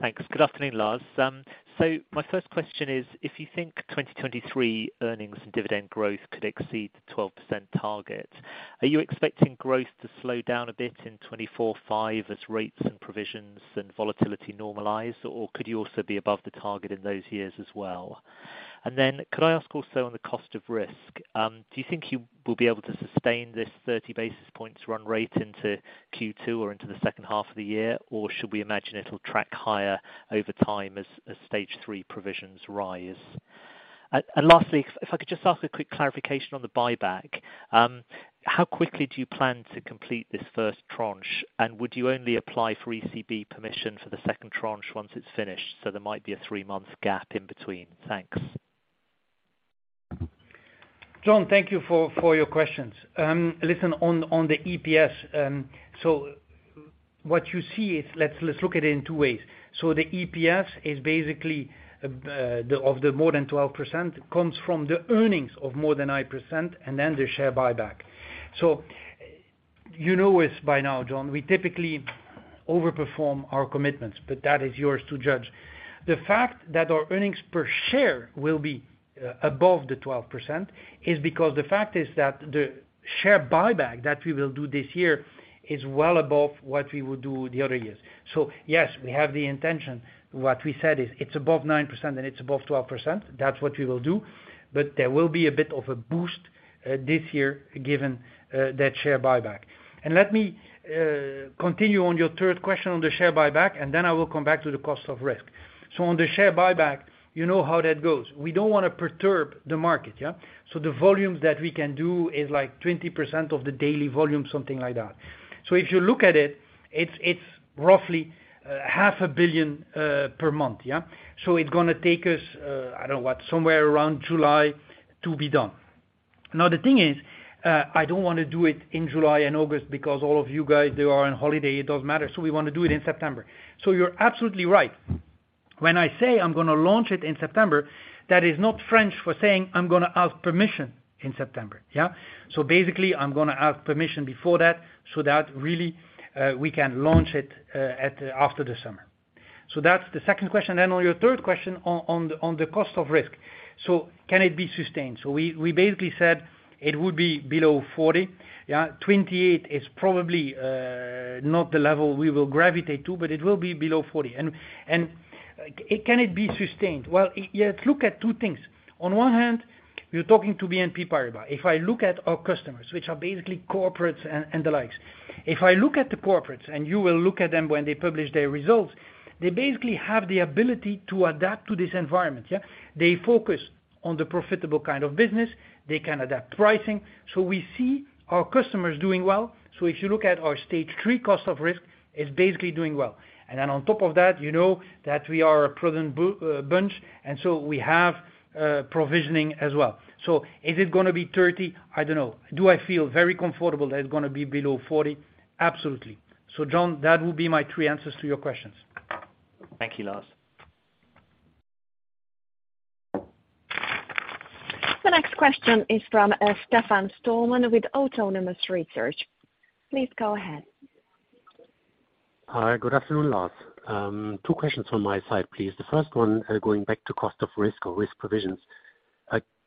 Thanks. Good afternoon, Lars. My first question is if you think 2023 earnings and dividend growth could exceed the 12% target, are you expecting growth to slow down a bit in 2024, 2025 as rates and provisions and volatility normalize, or could you also be above the target in those years as well? Could I ask also on the cost of risk, do you think you will be able to sustain this 30 basis points run rate into Q2 or into the second half of the year? Or should we imagine it'll track higher over time as Stage 3 provisions rise? Lastly, if I could just ask a quick clarification on the buyback. How quickly do you plan to complete this first tranche? Would you only apply for ECB permission for the second tranche once it's finished, so there might be a three-month gap in between? Thanks. Jon, thank you for your questions. Listen on the EPS. What you see is let's look at it in two ways. The EPS is basically of the more than 12% comes from the earnings of more than 9%, and then the share buyback. You know us by now, Jon, we typically overperform our commitments, but that is yours to judge. The fact that our earnings per share will be above the 12% is because the fact is that the share buyback that we will do this year is well above what we would do the other years. Yes, we have the intention. What we said is it's above 9% and it's above 12%. That's what we will do. There will be a bit of a boost this year, given that share buyback. Let me continue on your third question on the share buyback, and then I will come back to the cost of risk. On the share buyback, you know how that goes. We don't wanna perturb the market, yeah? The volumes that we can do is like 20% of the daily volume, something like that. If you look at it's roughly 0.5 billion per month, yeah? It's gonna take us, I don't know, what? Somewhere around July to be done. The thing is, I don't wanna do it in July and August because all of you guys, you are on holiday, it doesn't matter. We wanna do it in September. You're absolutely right. When I say I'm gonna launch it in September, that is not French for saying, "I'm gonna ask permission in September." Yeah? Basically I'm gonna ask permission before that, so that really we can launch it after the summer. That's the second question. On your third question on the cost of risk. Can it be sustained? We basically said it would be below 40, yeah. 28 is probably not the level we will gravitate to, but it will be below 40. Can it be sustained? Well, you look at two things. On one hand, you're talking to BNP Paribas. If I look at our customers, which are basically corporates and the likes, if I look at the corporates, and you will look at them when they publish their results, they basically have the ability to adapt to this environment, yeah. They focus on the profitable kind of business. They can adapt pricing. We see our customers doing well. If you look at our Stage 3 cost of risk, it's basically doing well. On top of that, you know that we are a prudent bunch, and so we have provisioning as well. Is it gonna be 30? I dunno. Do I feel very comfortable that it's gonna be below 40? Absolutely. Jon, that will be my three answers to your questions. Thank you, Lars. The next question is from Stefan Stalmann with Autonomous Research. Please go ahead. Hi. Good afternoon, Lars. Two questions from my side, please. The first one, going back to cost of risk or risk provisions,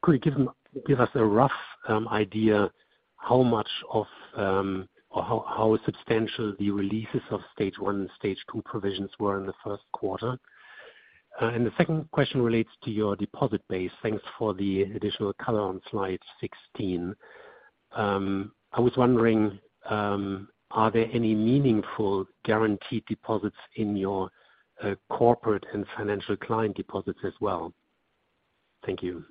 could you give us a rough idea how much of or how substantial the releases of Stage 1 and Stage 2 provisions were in the first quarter? The second question relates to your deposit base. Thanks for the additional color on slide 16. I was wondering, are there any meaningful guaranteed deposits in your corporate and financial client deposits as well? Thank you.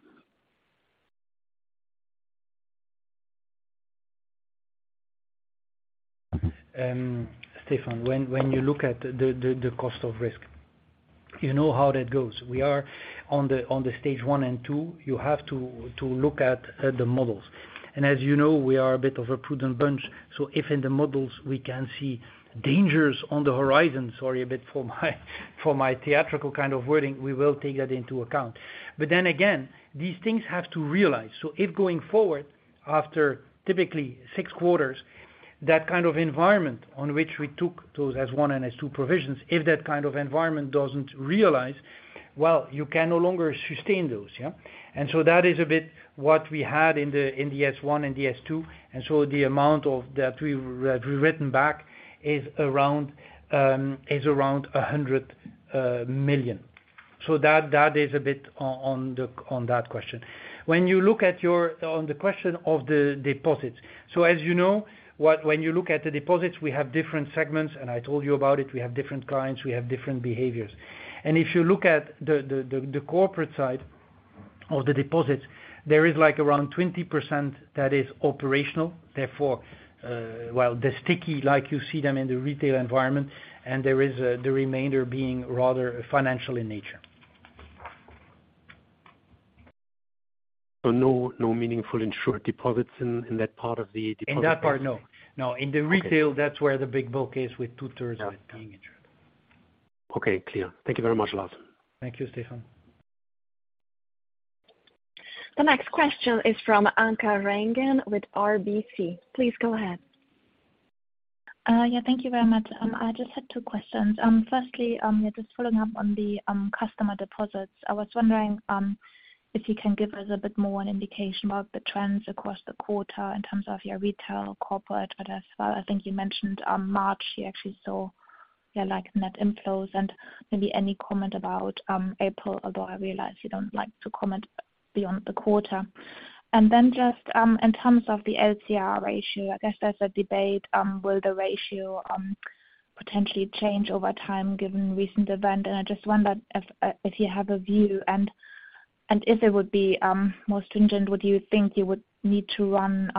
Stefan, when you look at the cost of risk, you know how that goes. We are on the Stage 1 and Stage 2, you have to look at the models. As you know, we are a bit of a prudent bunch, so if in the models we can see dangers on the horizon, sorry a bit for my theatrical kind of wording, we will take that into account. Then again, these things have to realize. If going forward, after typically six quarters, that kind of environment on which we took those S1 and S2 provisions, if that kind of environment doesn't realize, well, you can no longer sustain those, yeah? That is a bit what we had in the S1 and the S2, and so the amount of that we've written back is around 100 million. That is a bit on that question. On the question of the deposits, as you know, when you look at the deposits, we have different segments, and I told you about it, we have different clients, we have different behaviors. If you look at the corporate side of the deposits, there is like around 20% that is operational, therefore, while they're sticky like you see them in the retail environment, and there is the remainder being rather financial in nature. no meaningful insured deposits in that part of the deposit-. In that part, no. No. Okay. That's where the big bulk is with two-thirds of it being insured. Okay. Clear. Thank you very much, Lars. Thank you, Stefan. The next question is from Anke Reingen with RBC. Please go ahead. Yeah, thank you very much. I just had two questions. Firstly, yeah, just following up on the customer deposits. I was wondering if you can give us a bit more an indication about the trends across the quarter in terms of your retail, corporate, but as well, I think you mentioned March, you actually saw, yeah, like net inflows and maybe any comment about April, although I realize you don't like to comment beyond the quarter. Then just in terms of the LCR ratio, I guess there's a debate, will the ratio potentially change over time given recent event? I just wonder if you have a view and if it would be, more stringent, would you think you would like to run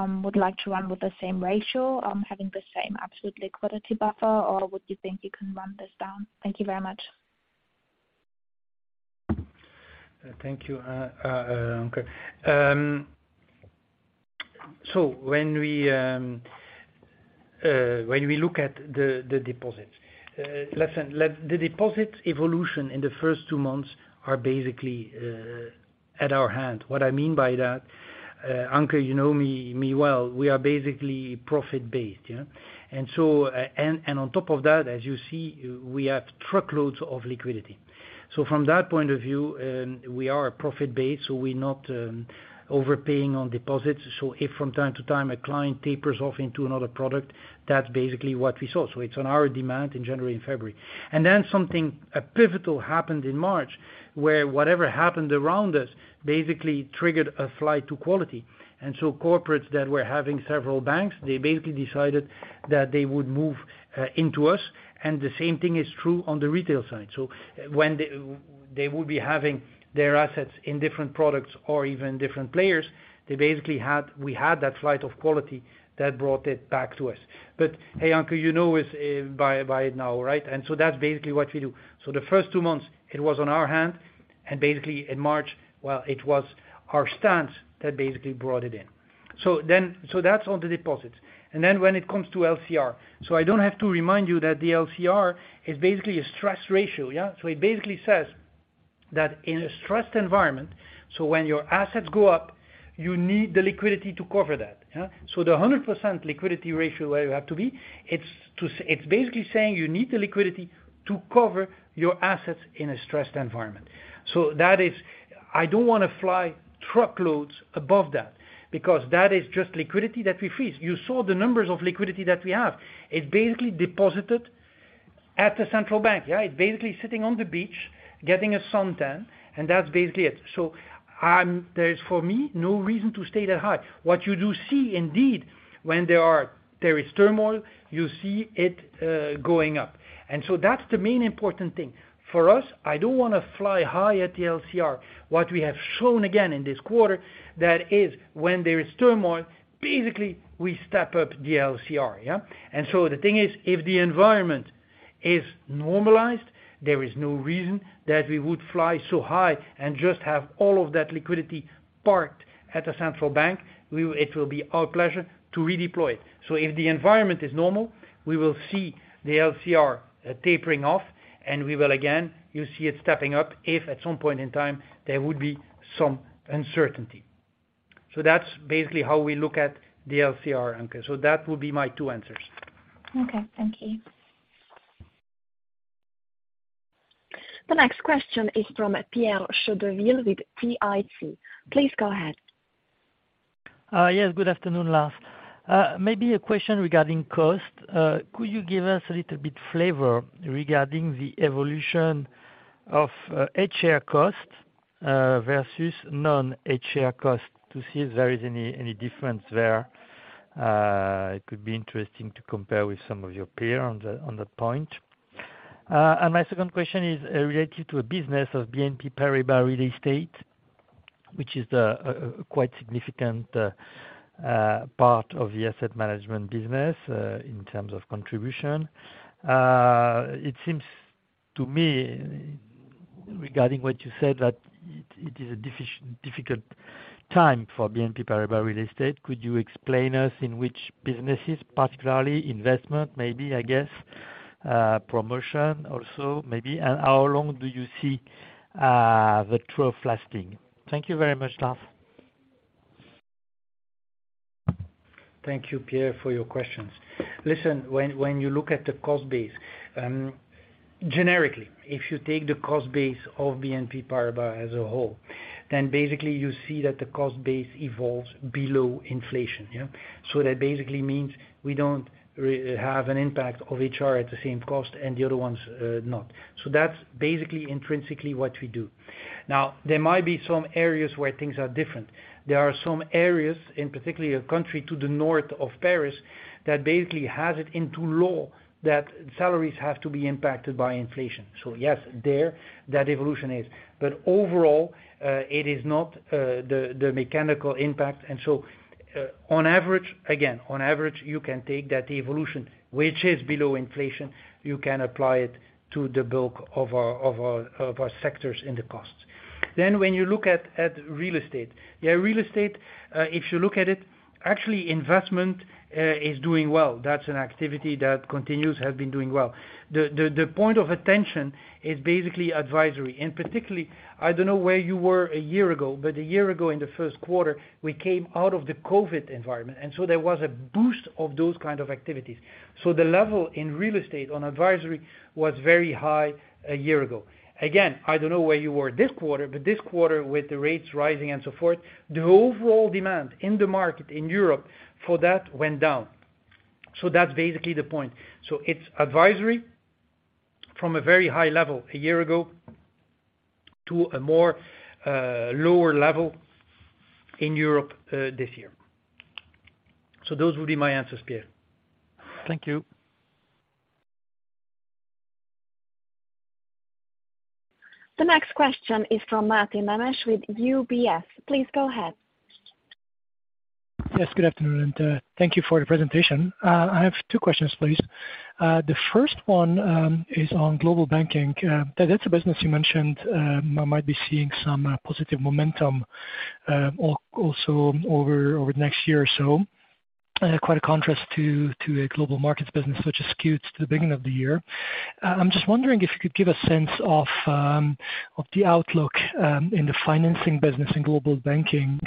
with the same ratio, having the same absolute liquidity buffer? Would you think you can run this down? Thank you very much. Thank you, Anke. When we look at the deposits, The deposit evolution in the first two months are basically at our hand. What I mean by that, Anke, you know me well, we are basically profit-based, yeah? And on top of that, as you see, we have truckloads of liquidity. From that point of view, we are a profit-based, so we're not overpaying on deposits. If from time to time a client tapers off into another product, that's basically what we saw. It's on our demand in January and February. Something pivotal happened in March, where whatever happened around us basically triggered a flight to quality. Corporates that were having several banks, they basically decided that they would move into us, and the same thing is true on the retail side. When they would be having their assets in different products or even different players, we had that flight of quality that brought it back to us. Hey, Anke, you know it's by now, right? That's basically what we do. The first two months it was on our hand, and basically in March, well, it was our stance that basically brought it in. That's on the deposits. When it comes to LCR, I don't have to remind you that the LCR is basically a stress ratio, yeah? It basically says that in a stressed environment, so when your assets go up, you need the liquidity to cover that, yeah? The 100% liquidity ratio where you have to be, it's basically saying you need the liquidity to cover your assets in a stressed environment. That is... I don't wanna fly truckloads above that because that is just liquidity that we freeze. You saw the numbers of liquidity that we have. It's basically deposited at the central bank, yeah? It's basically sitting on the beach, getting a suntan, and that's basically it. There is, for me, no reason to stay that high. What you do see indeed, when there is turmoil, you see it going up. That's the main important thing. For us, I don't wanna fly high at the LCR. What we have shown again in this quarter, that is when there is turmoil, basically we step up the LCR, yeah? The thing is, if the environment is normalized, there is no reason that we would fly so high and just have all of that liquidity parked at the central bank. It will be our pleasure to redeploy it. If the environment is normal, we will see the LCR tapering off, and we will again, you'll see it stepping up if at some point in time there would be some uncertainty. That's basically how we look at the LCR anchor. That would be my two answers. Okay. Thank you. The next question is from Pierre Chédeville with CIC. Please go ahead. Yes, good afternoon, Lars. Maybe a question regarding cost. Could you give us a little bit flavor regarding the evolution of HR cost versus non-HR cost to see if there is any difference there? It could be interesting to compare with some of your peer on that point. My second question is related to a business of BNP Paribas Real Estate, which is a quite significant part of the asset management business in terms of contribution. It seems to me regarding what you said, that it is a difficult time for BNP Paribas Real Estate. Could you explain us in which businesses, particularly investment, maybe, I guess, promotion also maybe, and how long do you see the trough lasting? Thank you very much, Lars. Thank you, Pierre, for your questions. Listen, when you look at the cost base, generically, if you take the cost base of BNP Paribas as a whole, then basically you see that the cost base evolves below inflation, yeah? That basically means we don't have an impact of HR at the same cost and the other ones, not. That's basically intrinsically what we do. There might be some areas where things are different. There are some areas, in particularly a country to the north of Paris, that basically has it into law that salaries have to be impacted by inflation. Yes, there, that evolution is. Overall, it is not the mechanical impact. On average, again, on average, you can take that evolution, which is below inflation, you can apply it to the bulk of our sectors in the costs. When you look at real estate, Yeah, real estate, if you look at it, actually, investment is doing well. That's an activity that continues, has been doing well. The point of attention is basically advisory. Particularly, I don't know where you were a year ago, but a year ago, in the first quarter, we came out of the COVID environment, and so there was a boost of those kind of activities. The level in real estate on advisory was very high a year ago. I don't know where you were this quarter, but this quarter, with the rates rising and so forth, the overall demand in the market in Europe for that went down. That's basically the point. It's advisory from a very high level a year ago to a more lower level in Europe this year. Those would be my answers, Pierre. Thank you. The next question is from Martin Manesch with UBS. Please go ahead. Good afternoon, and thank you for the presentation. I have two questions please. The first one is on global banking. That's a business you mentioned might be seeing some positive momentum also over the next year or so. Quite a contrast to a global markets business, which is skewed to the beginning of the year. I'm just wondering if you could give a sense of the outlook in the financing business in global banking,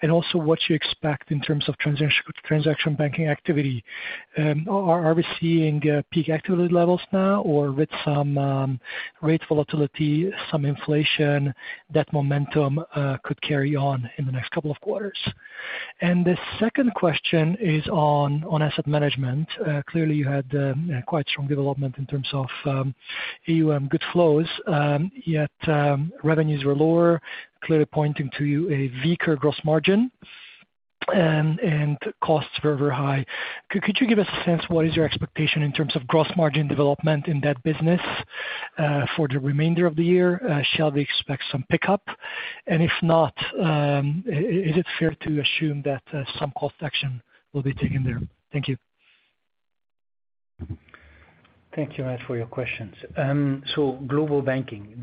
and also what you expect in terms of transaction banking activity. Are we seeing peak activity levels now or with some rate volatility, some inflation that momentum could carry on in the next couple of quarters? The second question is on asset management. Clearly you had quite strong development in terms of AUM good flows, yet revenues were lower, clearly pointing to you a weaker gross margin and costs were very high. Could you give us a sense what is your expectation in terms of gross margin development in that business for the remainder of the year? Shall we expect some pickup? If not, is it fair to assume that some cost action will be taken there? Thank you. Thank you, Manesch, for your questions. Global banking.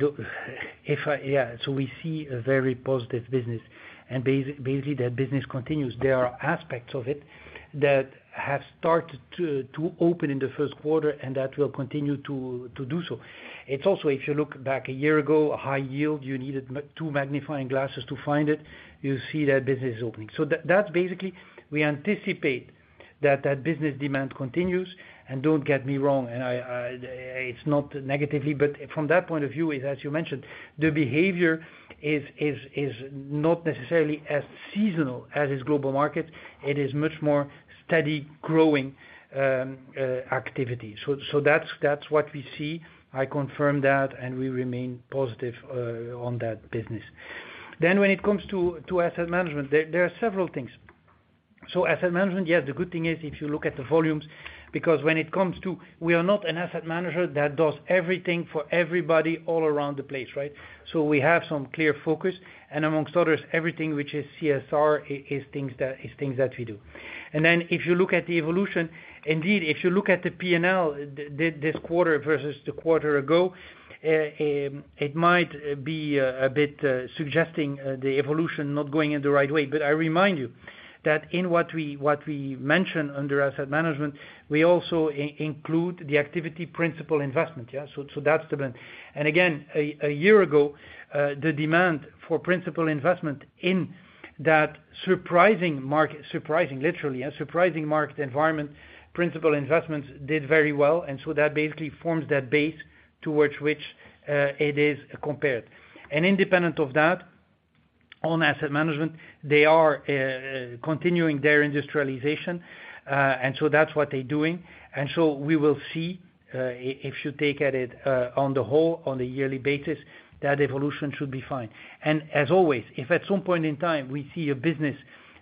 We see a very positive business, and basically that business continues. There are aspects of it that have started to open in the first quarter, and that will continue to do so. It's also, if you look back a year ago, high yield, you needed two magnifying glasses to find it. You see that business opening. That's basically, we anticipate that business demand continues, and don't get me wrong, and I, it's not negatively, but from that point of view, as you mentioned, the behavior is not necessarily as seasonal as is global markets. It is much more steady growing activity. That's what we see. I confirm that, and we remain positive on that business. When it comes to asset management, there are several things. Asset management, yes, the good thing is if you look at the volumes, because when it comes to, we are not an asset manager that does everything for everybody all around the place, right? We have some clear focus, amongst others, everything which is CSR is things that we do. If you look at the evolution, indeed, if you look at the P&L this quarter versus the quarter ago, it might be a bit suggesting the evolution not going in the right way. I remind you that in what we mention under asset management, we also include the activity principal investments, yeah. That's the plan. Again, a year ago, the demand for principal investments in that surprising market, surprising literally, a surprising market environment, principal investments did very well, that basically forms that base towards which it is compared. Independent of that, on asset management, they are continuing their industrialization, that's what they're doing. We will see if you take at it, on the whole, on a yearly basis, that evolution should be fine. As always, if at some point in time we see a business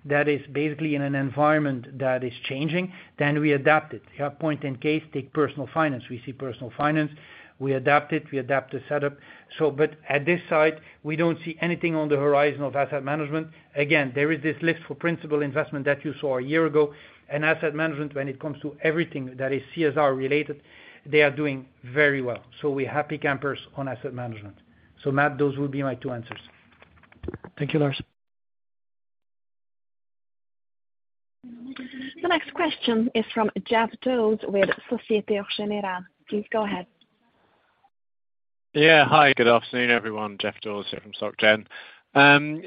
that is basically in an environment that is changing, then we adapt it. You have point in case, take Personal Finance. We see Personal Finance, we adapt it, we adapt the setup. At this site, we don't see anything on the horizon of asset management. There is this list for principal investments that you saw a year ago, and asset management, when it comes to everything that is CSR-related, they are doing very well. We're happy campers on asset management. Matt, those would be my two answers. Thank you, Lars. The next question is from Geoff Dawes with Société Générale. Please go ahead. Yeah. Hi, good afternoon, everyone. Geoff Dawes here from Soc Gen.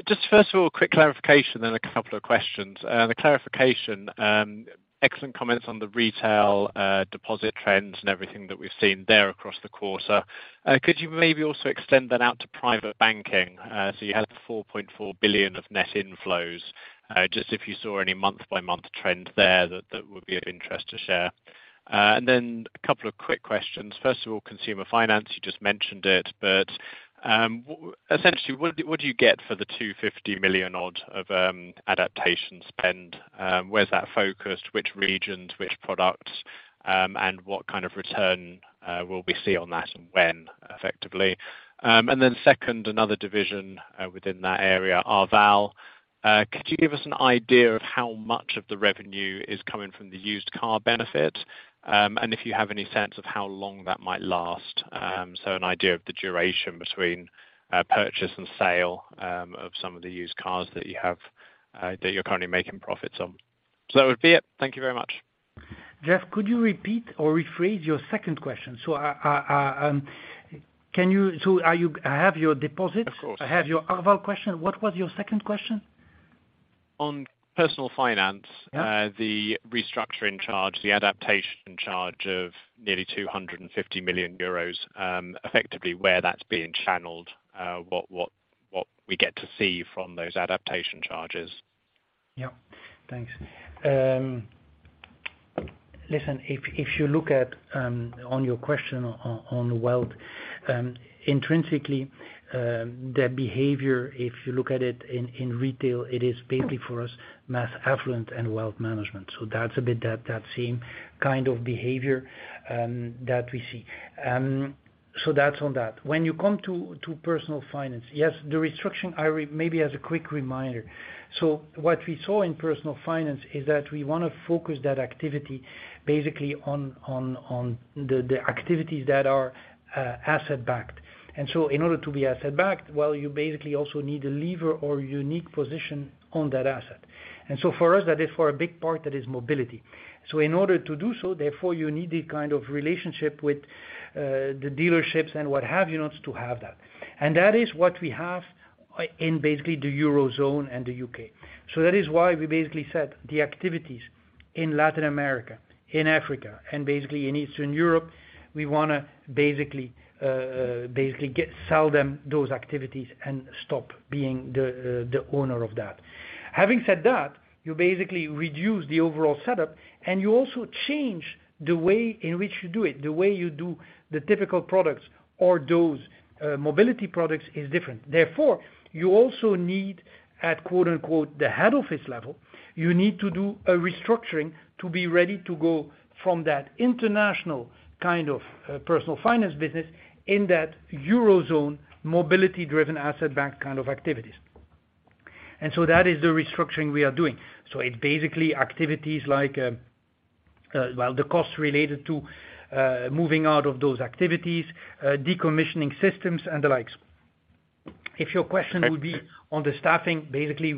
Just first of all, quick clarification, then a couple of questions. The clarification, excellent comments on the retail, deposit trends and everything that we've seen there across the quarter. Could you maybe also extend that out to private banking? So you had 4.4 billion of net inflows, just if you saw any month-by-month trend there that would be of interest to share. Then a couple of quick questions. First of all, consumer finance, you just mentioned it, but essentially, what do you get for the 250 million odd of adaptation spend? Where's that focused? Which regions, which products, and what kind of return will we see on that and when effectively? Second, another division within that area, Arval. Could you give us an idea of how much of the revenue is coming from the used car benefit? If you have any sense of how long that might last. An idea of the duration between purchase and sale of some of the used cars that you have that you're currently making profits on. That would be it. Thank you very much. Geoff, could you repeat or rephrase your second question? I have your deposits. Of course. I have your Arval question. What was your second question? On Personal Finance. Yeah. The restructuring charge, the adaptation charge of nearly 250 million euros, effectively where that's being channeled, what we get to see from those adaptation charges. Yeah. Thanks. listen, if you look at, on your question on wealth, intrinsically, the behavior, if you look at it in retail, it is basically for us mass affluent and wealth management. That's a bit that same kind of behavior that we see. That's on that. When you come to Personal Finance, yes, the restructuring, maybe as a quick reminder. What we saw in Personal Finance is that we wanna focus that activity basically on the activities that are asset-backed. In order to be asset-backed, well, you basically also need a lever or unique position on that asset. For us, that is for a big part, that is mobility. In order to do so, therefore you need a kind of relationship with the dealerships and what have you not to have that. That is what we have in basically the Eurozone and the U.K. That is why we basically said the activities in Latin America, in Africa, and basically in Eastern Europe, we wanna basically sell them those activities and stop being the owner of that. Having said that, you basically reduce the overall setup, and you also change the way in which you do it, the way you do the typical products or those mobility products is different. you also need, at quote-unquote, the head office level, you need to do a restructuring to be ready to go from that international kind of Personal Finance business in that Eurozone mobility-driven asset-backed kind of activities. That is the restructuring we are doing. So it's basically activities like, well, the costs related to moving out of those activities, decommissioning systems and the likes. If your question would be on the staffing, basically,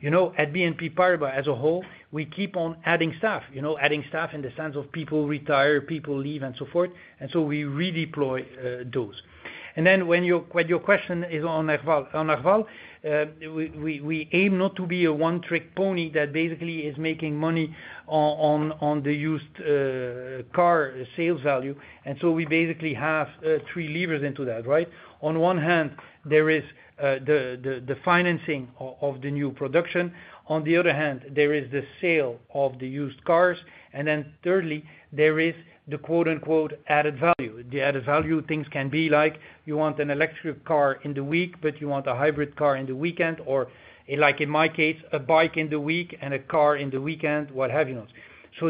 You know, at BNP Paribas as a whole, we keep on adding staff. You know, adding staff in the sense of people retire, people leave and so forth, and so we redeploy those. When your question is on Arval. On Arval, we aim not to be a one-trick pony that basically is making money on the used car sales value, and so we basically have three levers into that, right? On one hand, there is the financing of the new production. On the other hand, there is the sale of the used cars. Thirdly, there is the quote unquote, added value. The added value things can be like, you want an electric car in the week, but you want a hybrid car in the weekend, or like in my case, a bike in the week and a car in the weekend, what have you.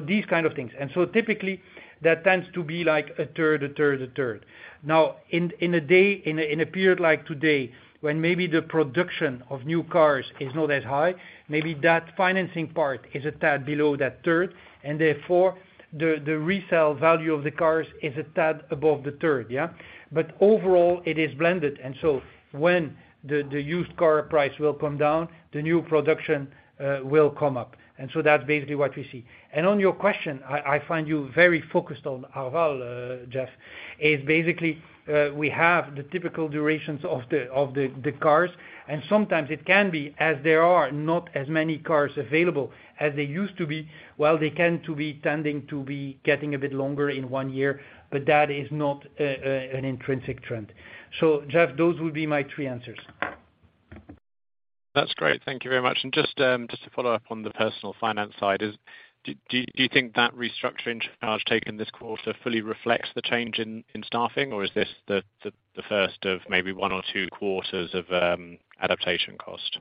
These kind of things. Typically that tends to be like a third, a third, a third. Now, in a period like today, when maybe the production of new cars is not as high, maybe that financing part is a tad below that third, and therefore the resale value of the cars is a tad above the third, yeah. Overall, it is blended. When the used car price will come down, the new production will come up. That's basically what we see. On your question, I find you very focused on Arval, Geoff, is basically, we have the typical durations of the cars. Sometimes it can be, as there are not as many cars available as they used to be, while they can to be tending to be getting a bit longer in one year, but that is not an intrinsic trend. Geoff, those would be my three answers. That's great. Thank you very much. Just to follow up on the Personal Finance side, do you think that restructuring charge taken this quarter fully reflects the change in staffing, or is this the first of maybe one or two quarters of adaptation cost?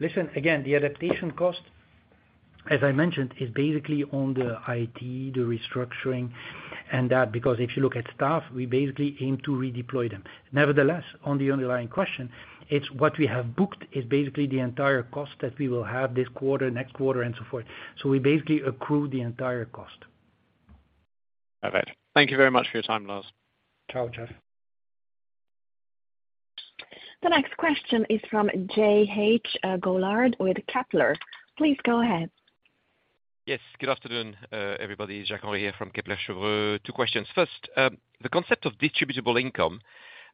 Listen, again, the adaptation cost, as I mentioned, is basically on the IT, the restructuring, and that, because if you look at staff, we basically aim to redeploy them. Nevertheless, on the underlying question, it's what we have booked is basically the entire cost that we will have this quarter, next quarter, and so forth. We basically accrue the entire cost. Perfect. Thank you very much for your time, Lars. Ciao, Geoff. The next question is from Jacques-Henri Gaulard, with Kepler. Please go ahead. Yes, good afternoon, everybody. Jacques-Henri from Kepler Cheuvreux. Two questions. First, the concept of distributable income,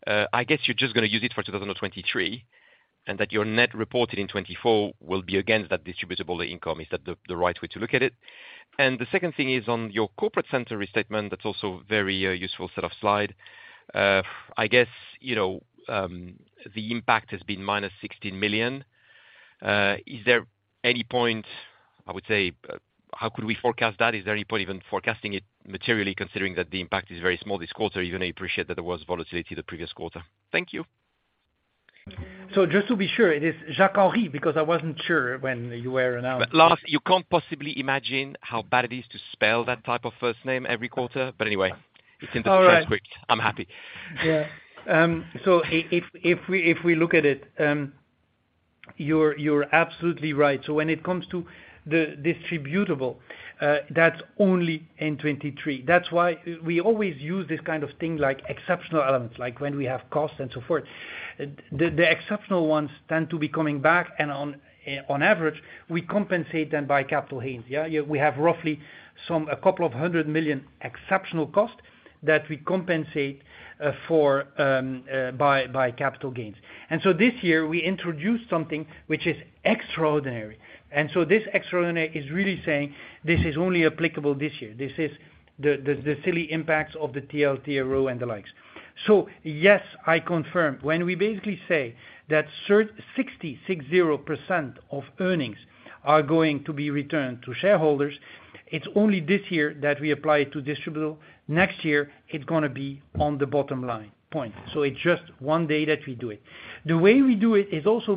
I guess you're just gonna use it for 2023, and that your net reported in 2024 will be against that distributable income. Is that the right way to look at it? The second thing is on your corporate center restatement, that's also very useful set of slide. I guess, you know, the impact has been -16 million. Is there any point, I would say, how could we forecast that? Is there any point even forecasting it materially considering that the impact is very small this quarter, even I appreciate that there was volatility the previous quarter? Thank you. Just to be sure, it is Jacques-Henri, because I wasn't sure when you were announcing. Lars, you can't possibly imagine how bad it is to spell that type of first name every quarter. Anyway, it's in the transcript. All right. I'm happy. Yeah. If we look at it, you're absolutely right. When it comes to the distributable, that's only in 2023. That's why we always use this kind of thing like exceptional elements, like when we have costs and so forth. The exceptional ones tend to be coming back and on average, we compensate them by capital gains. Yeah. We have roughly a 200 million exceptional costs that we compensate for by capital gains. This year we introduced something which is extraordinary. This extraordinary is really saying this is only applicable this year. This is the silly impacts of the TLTRO and the likes. Yes, I confirm. When we basically say that 60% of earnings are going to be returned to shareholders, it's only this year that we apply to distributable. Next year, it's going to be on the bottom line point. It's just one day that we do it. The way we do it is also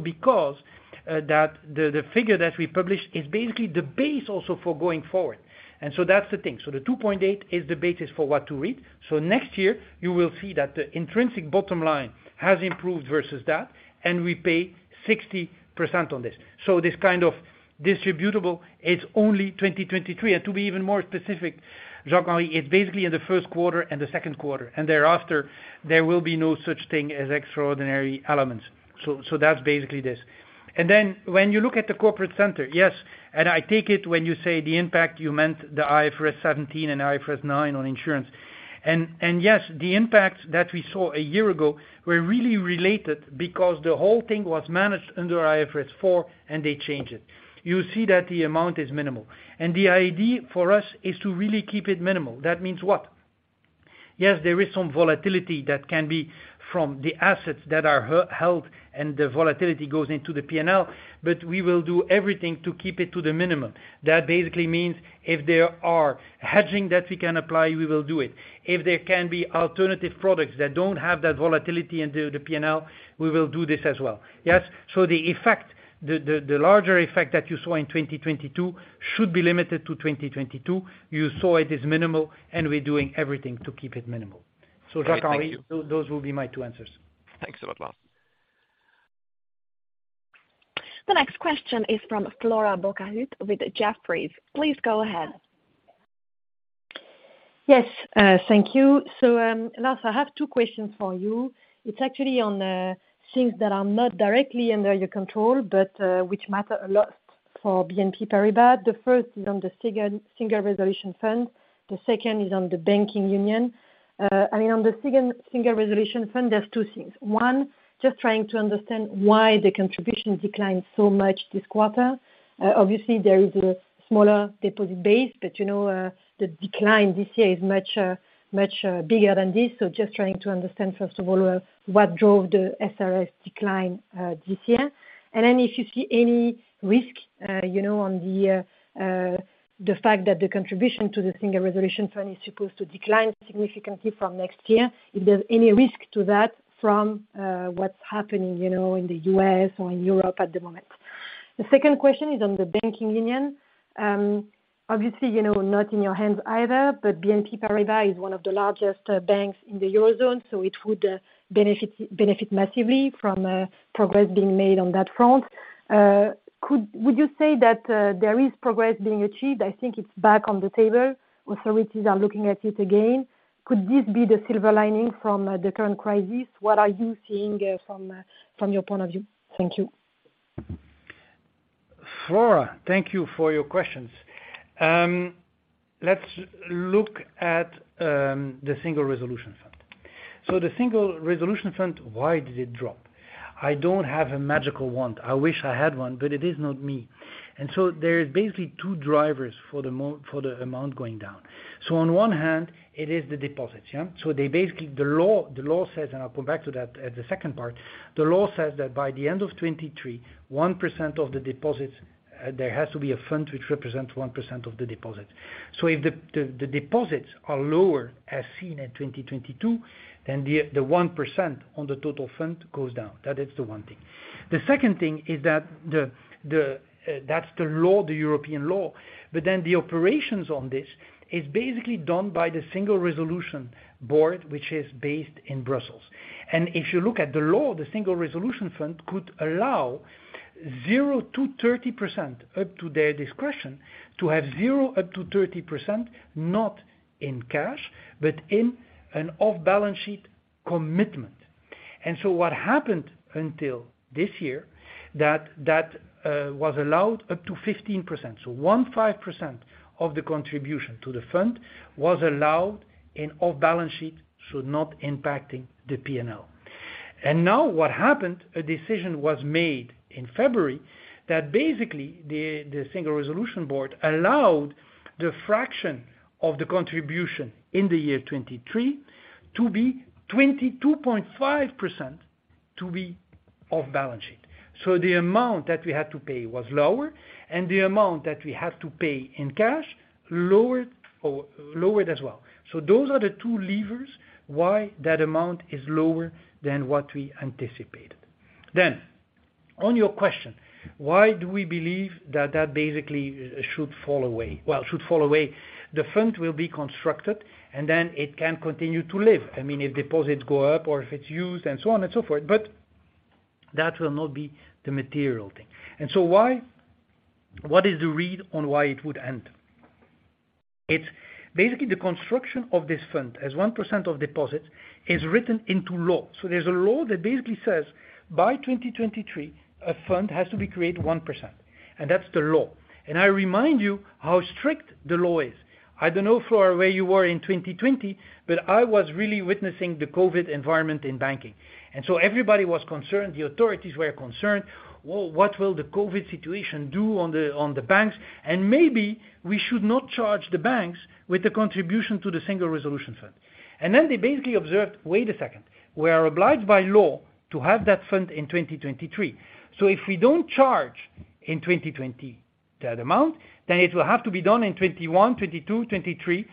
because that the figure that we publish is basically the base also for going forward. That's the thing. The 2.8 is the basis for what to read. Next year, you will see that the intrinsic bottom line has improved versus that, and we pay 60% on this. This kind of distributable, it's only 2023. To be even more specific, Jacques-Henri, it's basically in the first quarter and the second quarter, and thereafter, there will be no such thing as extraordinary elements. That's basically this. When you look at the corporate center, yes, I take it when you say the impact, you meant the IFRS 17 and IFRS 9 on insurance. Yes, the impact that we saw a year ago were really related because the whole thing was managed under IFRS 4 and they changed it. You see that the amount is minimal. The idea for us is to really keep it minimal. That means what? Yes, there is some volatility that can be from the assets that are held and the volatility goes into the P&L, but we will do everything to keep it to the minimum. That basically means if there are hedging that we can apply, we will do it. If there can be alternative products that don't have that volatility into the P&L, we will do this as well. Yes. The effect, the larger effect that you saw in 2022 should be limited to 2022. You saw it is minimal, and we're doing everything to keep it minimal. Jacques-Henri, those will be my two answers. Thanks a lot, Lars. The next question is from Flora Bocahut with Jefferies. Please go ahead. Yes, thank you. Lars, I have two questions for you. It's actually on things that are not directly under your control, but which matter a lot for BNP Paribas. The first is on the Single Resolution Fund. The second is on the banking union. I mean, on the Single Resolution Fund, there's two things. One, just trying to understand why the contribution declined so much this quarter. Obviously, there is a smaller deposit base, but, you know, the decline this year is much bigger than this. Just trying to understand, first of all, what drove the SRF decline this year. If you see any risk, you know, on the fact that the contribution to the Single Resolution Fund is supposed to decline significantly from next year, if there's any risk to that from what's happening, you know, in the U.S. or in Europe at the moment. The second question is on the banking union. Obviously, you know, not in your hands either, BNP Paribas is one of the largest banks in the Eurozone, so it would benefit massively from progress being made on that front. Would you say that there is progress being achieved? I think it's back on the table. Authorities are looking at it again. Could this be the silver lining from the current crisis? What are you seeing from your point of view? Thank you. Flora, thank you for your questions. Let's look at the Single Resolution Fund. The Single Resolution Fund, why did it drop? I don't have a magical wand. I wish I had one, but it is not me. There's basically two drivers for the amount going down. On one hand, it is the deposits, yeah? They basically the law says, and I'll come back to that at the second part, the law says that by the end of 2023, 1% of the deposits, there has to be a fund which represents 1% of the deposits. If the deposits are lower as seen in 2022, then the 1% on the total fund goes down. That is the one thing. The second thing is that the, that's the law, the European law, but then the operations on this is basically done by the Single Resolution Board, which is based in Brussels. If you look at the law, the Single Resolution Fund could allow 0%-30% up to their discretion to have 0% up to 30%, not in cash, but in an off-balance sheet commitment. What happened until this year that was allowed up to 15%. So 15% of the contribution to the fund was allowed in off-balance sheet, so not impacting the P&L. Now what happened, a decision was made in February that basically the Single Resolution Board allowed the fraction of the contribution in the year 2023 to be 22.5% to be off-balance sheet. The amount that we had to pay was lower, and the amount that we have to pay in cash lowered, or lowered as well. Those are the two levers why that amount is lower than what we anticipated. On your question, why do we believe that that basically should fall away? Well, should fall away. The fund will be constructed, and then it can continue to live. I mean, if deposits go up or if it's used and so on and so forth, but that will not be the material thing. What is the read on why it would end? It's basically the construction of this fund as 1% of deposits is written into law. There's a law that basically says by 2023, a fund has to be created 1%, and that's the law. I remind you how strict the law is. I don't know, Flora, where you were in 2020, but I was really witnessing the COVID environment in banking. Everybody was concerned. The authorities were concerned, "Well, what will the COVID situation do on the, on the banks? Maybe we should not charge the banks with the contribution to the Single Resolution Fund." They basically observed, "Wait a second, we are obliged by law to have that fund in 2023. If we don't charge in 2020 that amount, then it will have to be done in 2021, 2022, 2023.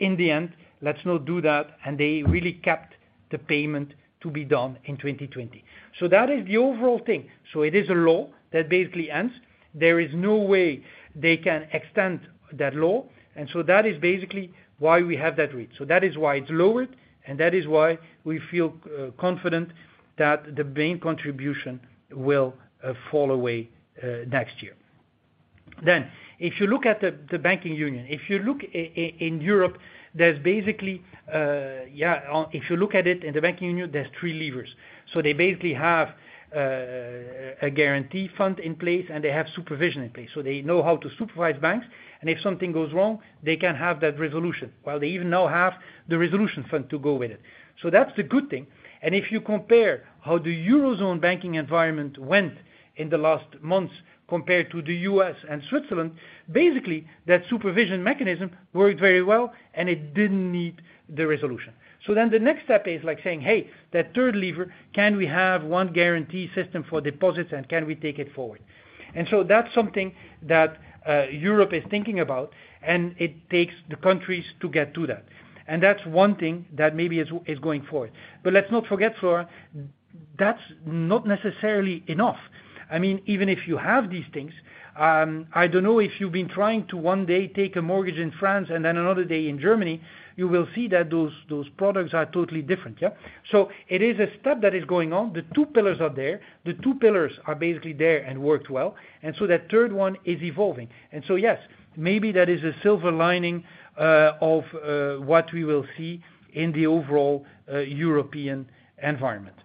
In the end, let's not do that." They really kept the payment to be done in 2020. That is the overall thing. It is a law that basically ends. There is no way they can extend that law. That is basically why we have that read. That is why it's lowered, and that is why we feel confident that the bank contribution will fall away next year. If you look at the Banking Union, if you look in Europe, there's basically, if you look at it in the Banking Union, there's three levers. They basically have a guarantee fund in place, and they have supervision in place. They know how to supervise banks, and if something goes wrong, they can have that resolution. Well, they even now have the resolution fund to go with it. That's the good thing. If you compare how the Eurozone banking environment went in the last months compared to the U.S. and Switzerland, basically that supervision mechanism worked very well, and it didn't need the resolution. The next step is like saying, "Hey, that third lever, can we have one guarantee system for deposits, and can we take it forward?" That's something that Europe is thinking about, and it takes the countries to get to that. That's one thing that maybe is going forward. Let's not forget, Flora-That's not necessarily enough. I mean, even if you have these things, I don't know if you've been trying to one day take a mortgage in France and then another day in Germany, you will see that those products are totally different. Yeah. It is a step that is going on. The two pillars are there. The two pillars are basically there and worked well, and so that third one is evolving. Yes, maybe that is a silver lining, of, what we will see in the overall, European environment.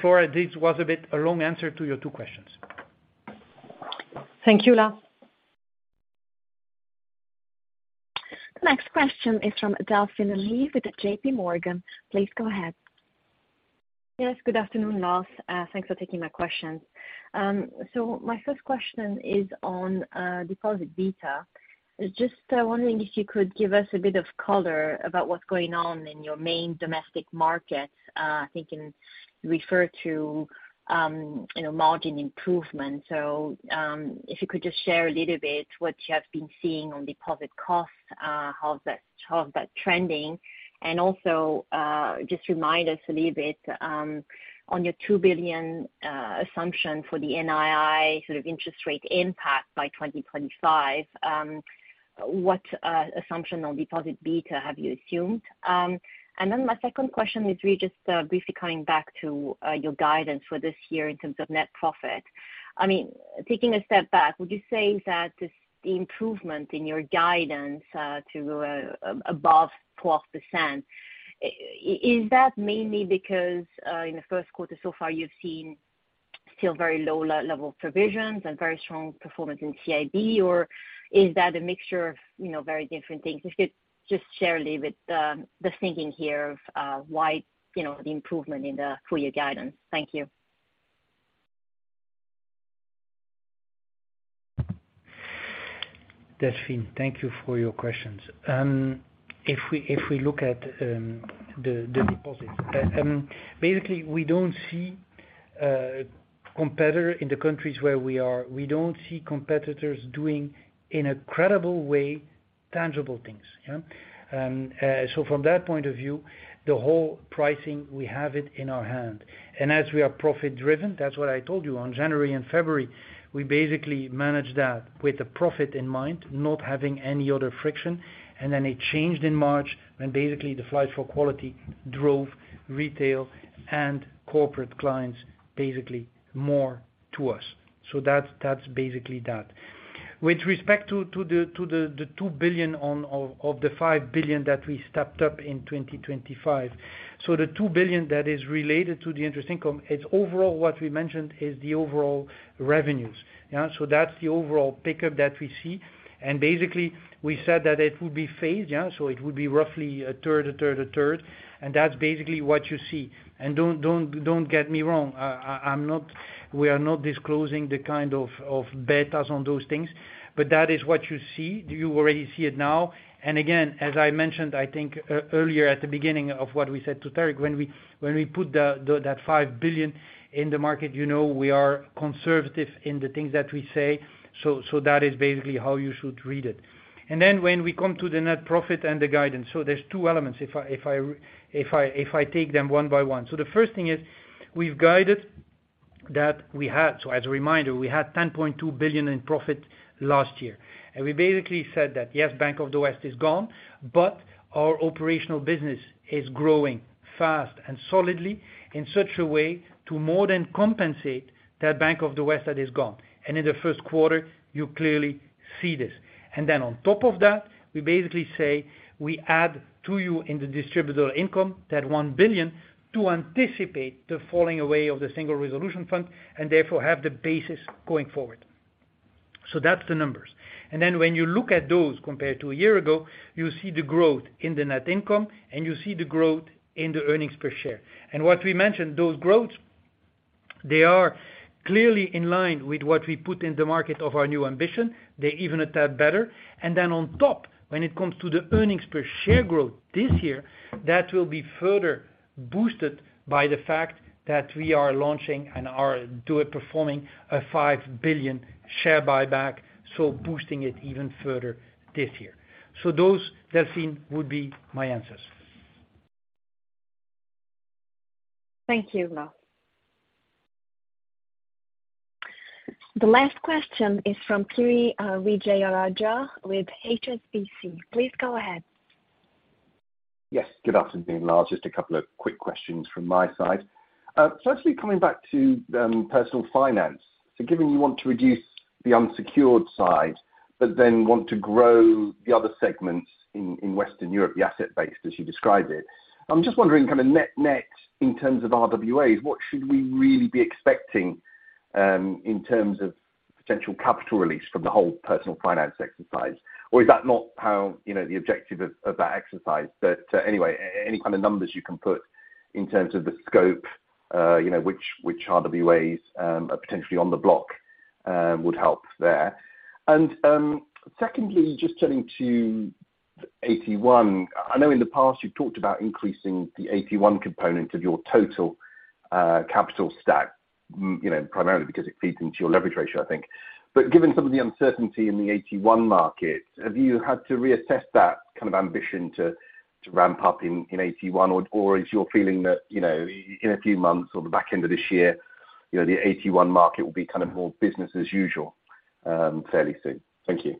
Flora, this was a bit a long answer to your two questions. Thank you, Lars. The next question is from Delphine Lee with JPMorgan. Please go ahead. Yes, good afternoon, Lars. Thanks for taking my questions. My first question is on deposit beta. Just wondering if you could give us a bit of color about what's going on in your main domestic markets. I think you referred to, you know, margin improvement. If you could just share a little bit what you have been seeing on deposit costs, how's that trending? Also, just remind us a little bit on your 2 billion assumption for the NII sort of interest rate impact by 2025, what assumption on deposit beta have you assumed? My second question is really just briefly coming back to your guidance for this year in terms of net profit. I mean, taking a step back, would you say that this, the improvement in your guidance, to above 12%, is that mainly because in the first quarter so far you've seen still very low level of provisions and very strong performance in CIB? Or is that a mixture of, you know, very different things? If you could just share a little bit, the thinking here of why, you know, the improvement in the full year guidance. Thank you. Delphine, thank you for your questions. If we look at the deposits, basically we don't see competitor in the countries where we are. We don't see competitors doing, in a credible way, tangible things. Yeah. From that point of view, the whole pricing, we have it in our hand. As we are profit driven, that's what I told you on January and February, we basically managed that with the profit in mind, not having any other friction. It changed in March when basically the flight for quality drove retail and corporate clients basically more to us. That's basically that. With respect to the 2 billion of the 5 billion that we stepped up in 2025. The 2 billion that is related to the interest income, it's overall what we mentioned is the overall revenues. Yeah. That's the overall pickup that we see. Basically, we said that it would be phased, yeah. It would be roughly a third, a third, a third. That's basically what you see. Don't get me wrong. I'm not, we are not disclosing the kind of betas on those things, but that is what you see. You already see it now. Again, as I mentioned, I think earlier at the beginning of what we said to Tarik, when we put that 5 billion in the market, you know we are conservative in the things that we say. That is basically how you should read it. When we come to the net profit and the guidance, there are two elements if I take them one by one. The first thing is we've guided that. As a reminder, we had 10.2 billion in profit last year. We basically said that yes, Bank of the West is gone, but our operational business is growing fast and solidly in such a way to more than compensate that Bank of the West that is gone. In the first quarter, you clearly see this. On top of that, we basically say we add to you in the distributor income that 1 billion to anticipate the falling away of the Single Resolution Fund, and therefore have the basis going forward. That's the numbers. When you look at those compared to a year ago, you see the growth in the net income, and you see the growth in the earnings per share. What we mentioned, those growths, they are clearly in line with what we put in the market of our new ambition. They're even a tad better. On top, when it comes to the earnings per share growth this year, that will be further boosted by the fact that we are launching and are performing a 5 billion share buyback, so boosting it even further this year. Those, Delphine, would be my answers. Thank you, Lars. The last question is from Kiri Vijayarajah with HSBC. Please go ahead. Yes, good afternoon, Lars. Just a couple of quick questions from my side. Firstly, coming back to Personal Finance. Given you want to reduce the unsecured side, but then want to grow the other segments in Western Europe, the asset base, as you described it, I'm just wondering kind of net-net, in terms of RWAs, what should we really be expecting in terms of potential capital release from the whole Personal Finance exercise? Or is that not how, you know, the objective of that exercise? Anyway, any kind of numbers you can put in terms of the scope, you know, which RWAs are potentially on the block, would help there. Secondly, just turning to AT1. I know in the past you've talked about increasing the AT1 component of your total capital stack. You know, primarily because it feeds into your leverage ratio, I think. Given some of the uncertainty in the AT1 market, have you had to reassess that kind of ambition to ramp up in AT1 or is your feeling that, you know, in a few months or the back end of this year, you know, the AT1 market will be kind of more business as usual, fairly soon? Thank you.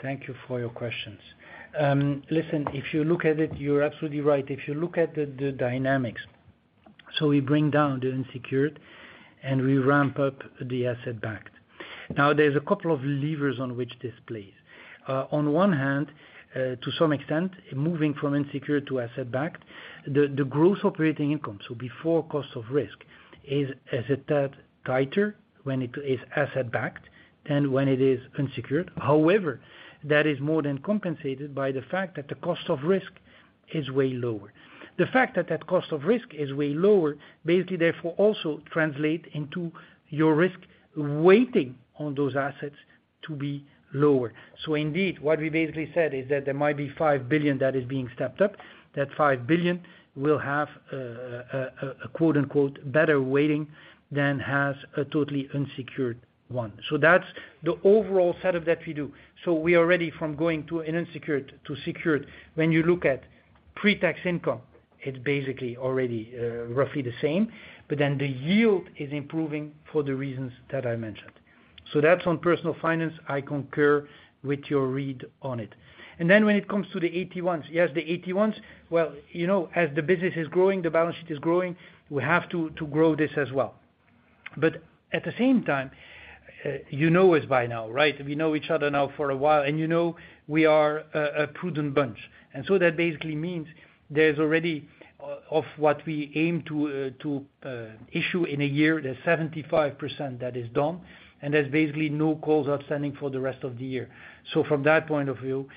Thank you for your questions. Listen, if you look at it, you're absolutely right. If you look at the dynamics, we bring down the unsecured, and we ramp up the asset-backed. There's a couple of levers on which this plays. On one hand, to some extent, moving from unsecured to asset-backed, the gross operating income, before cost of risk is a tad tighter when it is asset-backed than when it is unsecured. However, that is more than compensated by the fact that the cost of risk is way lower. The fact that that cost of risk is way lower, basically therefore also translate into your risk weighting on those assets to be lower. Indeed, what we basically said is that there might be 5 billion that is being stepped up. That 5 billion will have a quote-unquote, "better weighting" than has a totally unsecured one. That's the overall set of that we do. We are ready from going to an unsecured to secured. When you look at pre-tax income, it's basically already roughly the same, the yield is improving for the reasons that I mentioned. That's on Personal Finance. I concur with your read on it. When it comes to the AT1s, yes, the AT1s, well, you know, as the business is growing, the balance sheet is growing, we have to grow this as well. At the same time, you know us by now, right? We know each other now for a while, and you know we are a prudent bunch. That basically means there's already of what we aim to issue in a year, there's 75% that is done, and there's basically no calls outstanding for the rest of the year. From that point of view,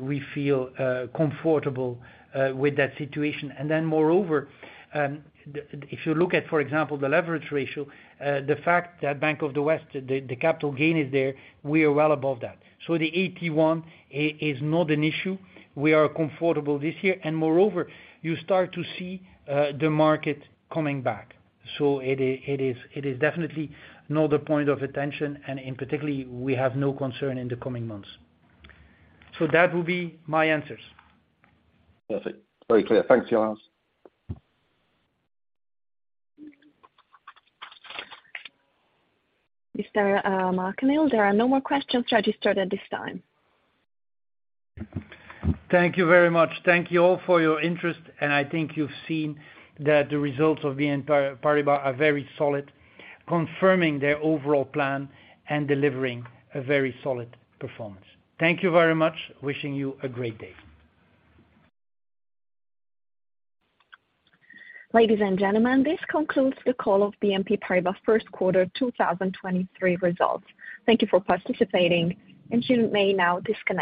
we feel comfortable with that situation. Moreover, if you look at, for example, the leverage ratio, the fact that Bank of the West, the capital gain is there, we are well above that. The AT1 is not an issue. We are comfortable this year. Moreover, you start to see the market coming back, so it is definitely not a point of attention, and in particularly, we have no concern in the coming months. That will be my answers. Perfect. Very clear. Thanks, Lars. Mr. Machenil, there are no more questions registered at this time. Thank you very much. Thank you all for your interest, and I think you've seen that the results of the BNP Paribas are very solid, confirming their overall plan and delivering a very solid performance. Thank you very much. Wishing you a great day. Ladies and gentlemen, this concludes the call of BNP Paribas first quarter 2023 results. Thank you for participating. You may now disconnect.